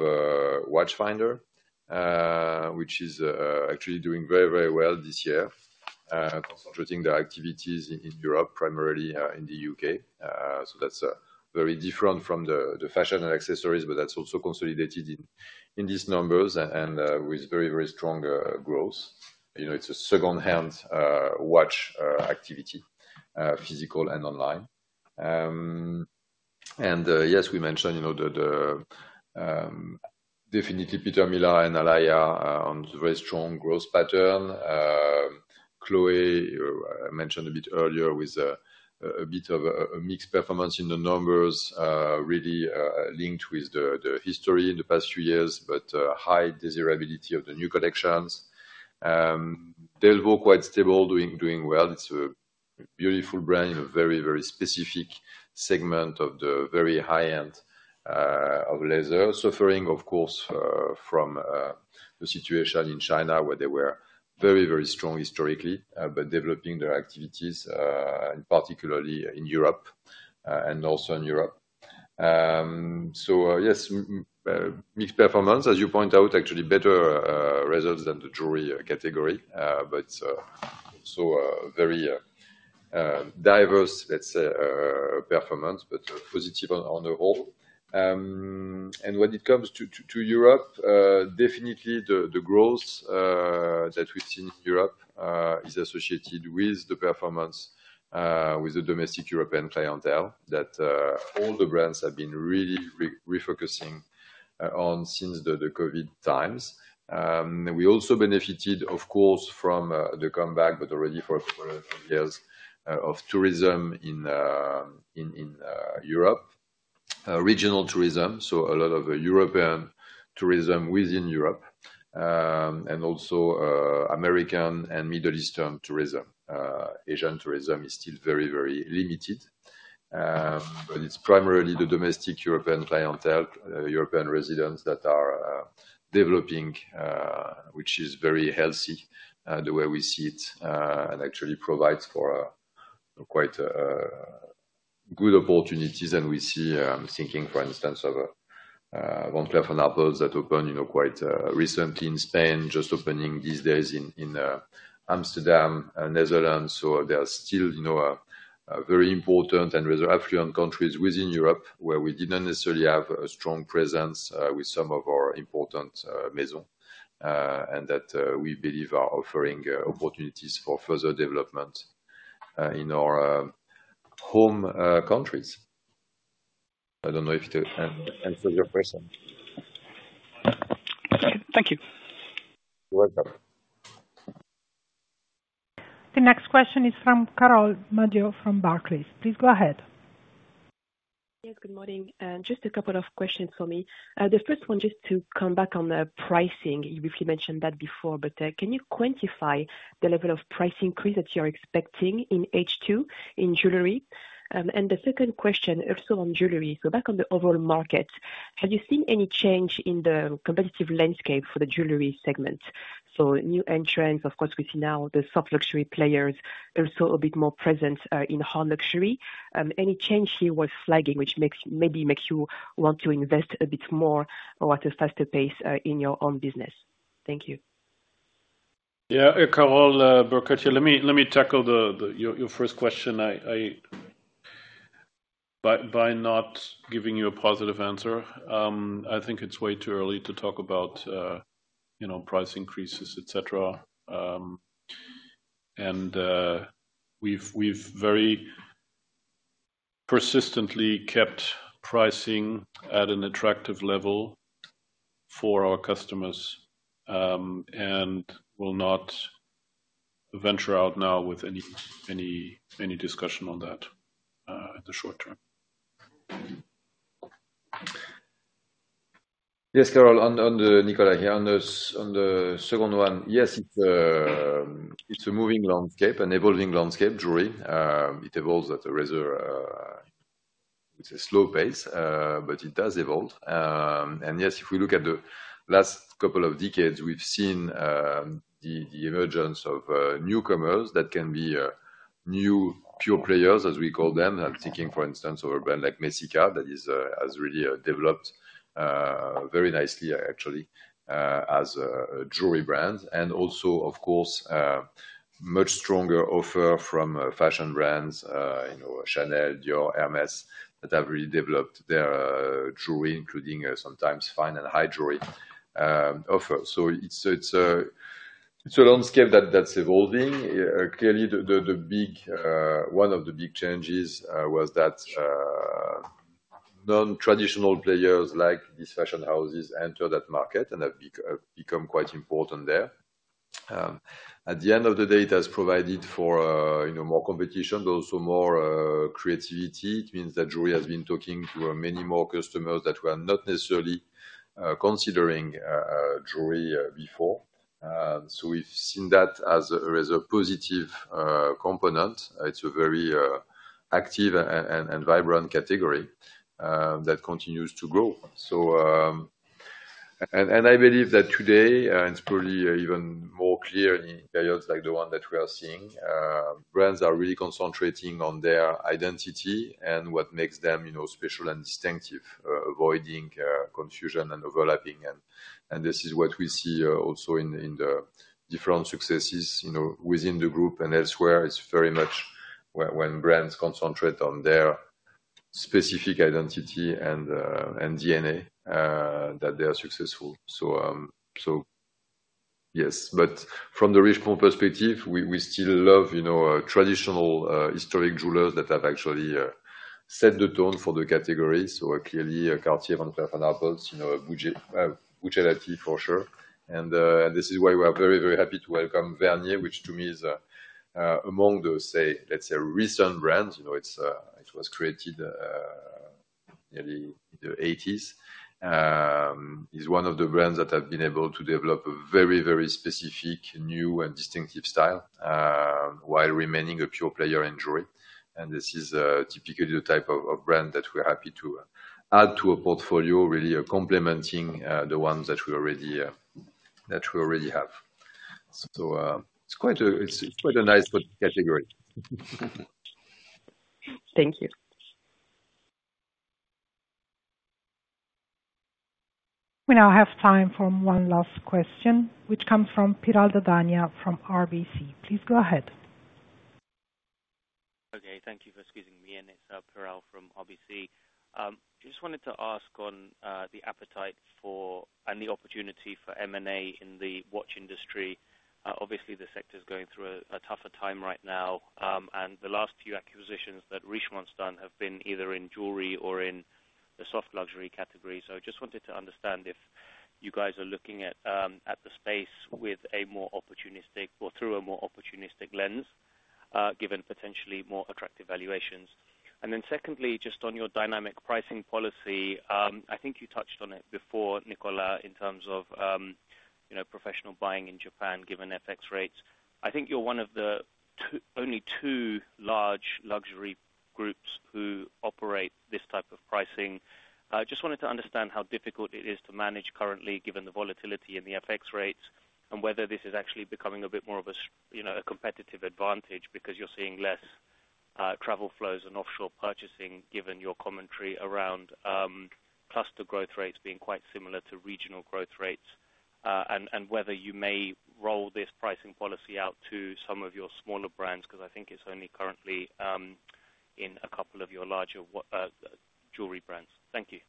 Watchfinder & Co. which is actually doing very, very well this year, concentrating the activities in Europe primarily in the U.K. So that's very different from the fashion and accessories but that's also consolidated in these numbers and with very, very strong growth. You know it's a secondhand watch activity physical and online and yes we mentioned, you know the definitely Peter Millar and Alaïa on very strong growth pattern. Chloé, I mentioned a bit earlier with a bit of a mixed performance in the numbers really linked with the history in the past few years but high desirability of the new collections. Delvaux quite stable, doing well. It's a beautiful brand in a very, very specific segment of the very high end of leather suffering of course from the situation in China where they were very, very strong historically but developing their activities particularly in Europe and also in Europe. So yes, mixed performance as you point out actually better results than the jewelry category, but so very diverse, let's say performance, but positive on the whole. And when it comes to Europe, definitely the growth that we've seen in Europe is associated with the performance with the domestic European clientele that all the brands have been really refocusing on since the COVID times. We also benefited, of course, from the comeback, but already for a couple of years of tourism in Europe, regional tourism, so a lot of European tourism within Europe and also American and Middle Eastern tourism. Asian tourism is still very, very limited. But it's primarily the domestic European clientele, European residents that are developing, which is very healthy the way we see it and actually provides for quite good opportunities. And we see, thinking, for instance, of Van Cleef & Arpels that opened, you know, quite recently in Spain, just opening these days in Amsterdam, Netherlands. So there are still, you know, very important and rather affluent countries within Europe where we didn't necessarily have a strong presence with some of our important maisons and that we believe are offering opportunities for further development in our home countries. I don't know if to answer your question. Thank you. You're welcome. The next question is from Carole Madjo from Barclays. Please go ahead. Yes, good morning. Just a couple of questions for me. The first one, just to come back on the pricing, you briefly mentioned that before, but can you quantify the level of price increase that you are expecting in H2 in January? The second question, also on jewelry, so back on the overall market, have. You seen any change in the competitive landscape for the jewelry segment? So new entrants, of course, we see now the soft luxury players also a bit more presence in hard luxury. Any change here we're flagging, which maybe makes you want to invest a bit more or at a faster pace in your own business. Thank you. Yeah. Carole Madjo, let me tackle your first question. I by not giving you a positive answer. I think it's way too early to talk about price increases, et cetera, and we've very persistently kept pricing at an attractive level for our customers and will not venture out now with any discussion on that in the short term. Yes, Carol, on the call, Nicolas here on this, on the second one, yes, it's a moving landscape, an evolving landscape. Truly. It evolves at a rather slow pace, but it does evolve. And yes, if we look at the last couple of decades, we've seen the emergence of newcomers that can be new pure players as we call them. I'm thinking, for instance, of a brand like Messika that has really developed very nicely actually as a jewelry brand and also of course, much stronger offer from fashion brands, you know, Chanel, Dior, Hermès that have really developed their jewelry, including sometimes fine and high jewelry offer. So it's a landscape that's evolving. Clearly one of the big changes was that non traditional players like these fashion houses enter that market and have become quite important there. At the end of the day, it has provided for more competition but also more creativity. It means that jewelry has been talking to many more customers that were not necessarily considering jewelry before. So we've seen that as a positive component. It's a very active and vibrant category that continues to grow. So, and I believe that today it's probably even more clear. In periods like the one that we are seeing, brands are really concentrating on their identity and what makes them, you know, special and distinctive, avoiding confusion and overlapping. And this is what we see also in the different successes, you know, within the group and elsewhere. It's very much when brands concentrate on their specific identity and DNA that they are successful. Yes, but from the Richemont perspective, we still love, you know, traditional historic jewelers that have actually set the tone for the category. Clearly Cartier for sure. And this is why we are very, very happy to welcome Vhernier, which to me is among the, say, let's say recent brands. You know, it was created nearly in the '80s. It is one of the brands that have been able to develop a very, very specific new and distinctive style while remaining a pure player in jewelry. And this is typically the type of brand that we're happy to add to a portfolio, really complementing the ones that we already have. It's quite a nice category. Thank you. We now have time for one last question, which comes from Piral Dadhania from RBC. Please go ahead. Okay, thank you for excusing me in. It's Piral from RBC. Just wanted to ask on the appetite for and the opportunity for M and A in the watch industry. Obviously the sector is going through a tougher time right now and the last few acquisitions that Richemont's done have been either in jewelry or in the soft luxury category. So I just wanted to understand if you guys are looking at the space with a more opportunistic or through a more opportunistic lens, given potentially more attractive valuations. And then secondly, just on your dynamic pricing policy, I think you touched on it before Nicolas, in terms of professional buying in Japan, given FX rates. I think you're one of the only two large luxury groups who operate this type of pricing. I just wanted to understand how difficult it is to manage currently given the volatility in the FX rates and whether this is actually becoming a bit more of a competitive advantage because you're seeing less travel flows and offshore purchasing. Given your commentary around cluster growth rates being quite similar to regional growth rates, and whether you may roll this pricing policy out to some of your smaller brands, because I think it's only currently in a couple of your larger jewelry brands. Thank you.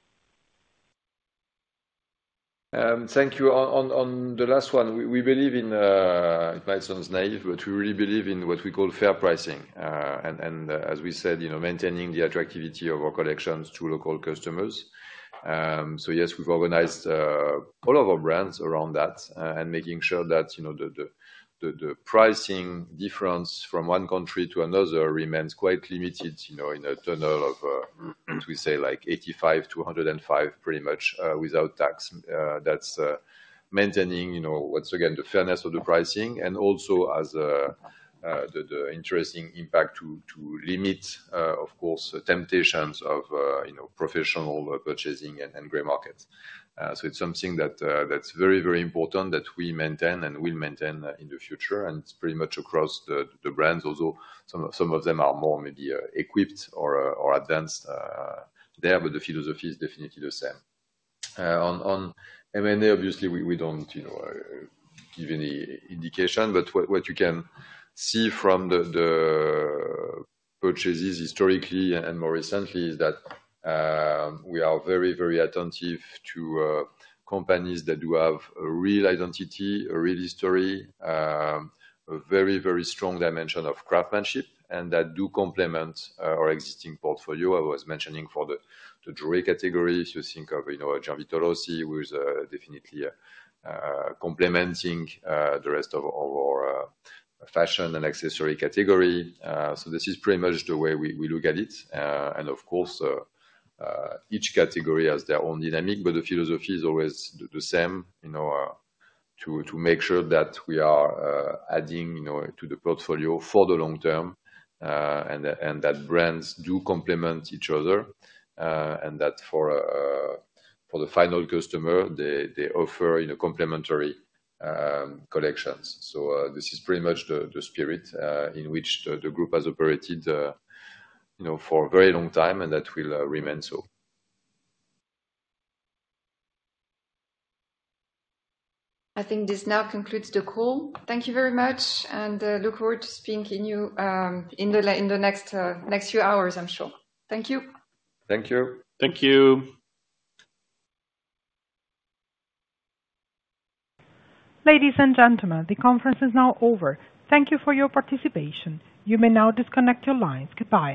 Thank you. On the last one, it might sound naive, but we really believe in what we call fair pricing. And as we said, you know, maintaining the attractivity of our collections to local customers. So, yes, we've organized all of our brands around that and making sure that, you know, the pricing difference from one country to another remains quite limited. You know, in a tunnel of, we say like 85%-105%, pretty much without tax. That's maintaining, you know, once again, the fairness of the pricing and also has the interesting impact to limit, of course, temptations of, you know, professional purchasing and gray markets. So it's something that's very, very important that we maintain and will maintain in the future. And it's pretty much across the brands, although some of them are more, maybe equipped or advanced there. But the philosophy is definitely the same on M&A. Obviously we don't give any indication, but what you can see from the purchases historically and more recently is that we are very, very attentive to companies that do have a real identity, a real history, a very, very strong dimension of craftsmanship, and that do complement our existing portfolio. I was mentioning for the jewelry category, if you think of, you know, Gianvito Rossi, who is definitely complementing the rest of our fashion and accessory category. So this is pretty much the way we look at it. And of course, each category has their own dynamic, but the philosophy is always the same, you know, to make sure that we are adding to the portfolio for the long term and that brands do complement each other and that for the final customer, they offer complementary collections. This is pretty much the spirit in which the group has operated for a very long time. That will remain so. I think this now concludes the call. Thank you very much and look forward to speaking with you in the next few hours, I'm sure. Thank you. Thank you. Thank you. Ladies and gentlemen, the conference is now over. Thank you for your participation. You may now disconnect your lines. Goodbye.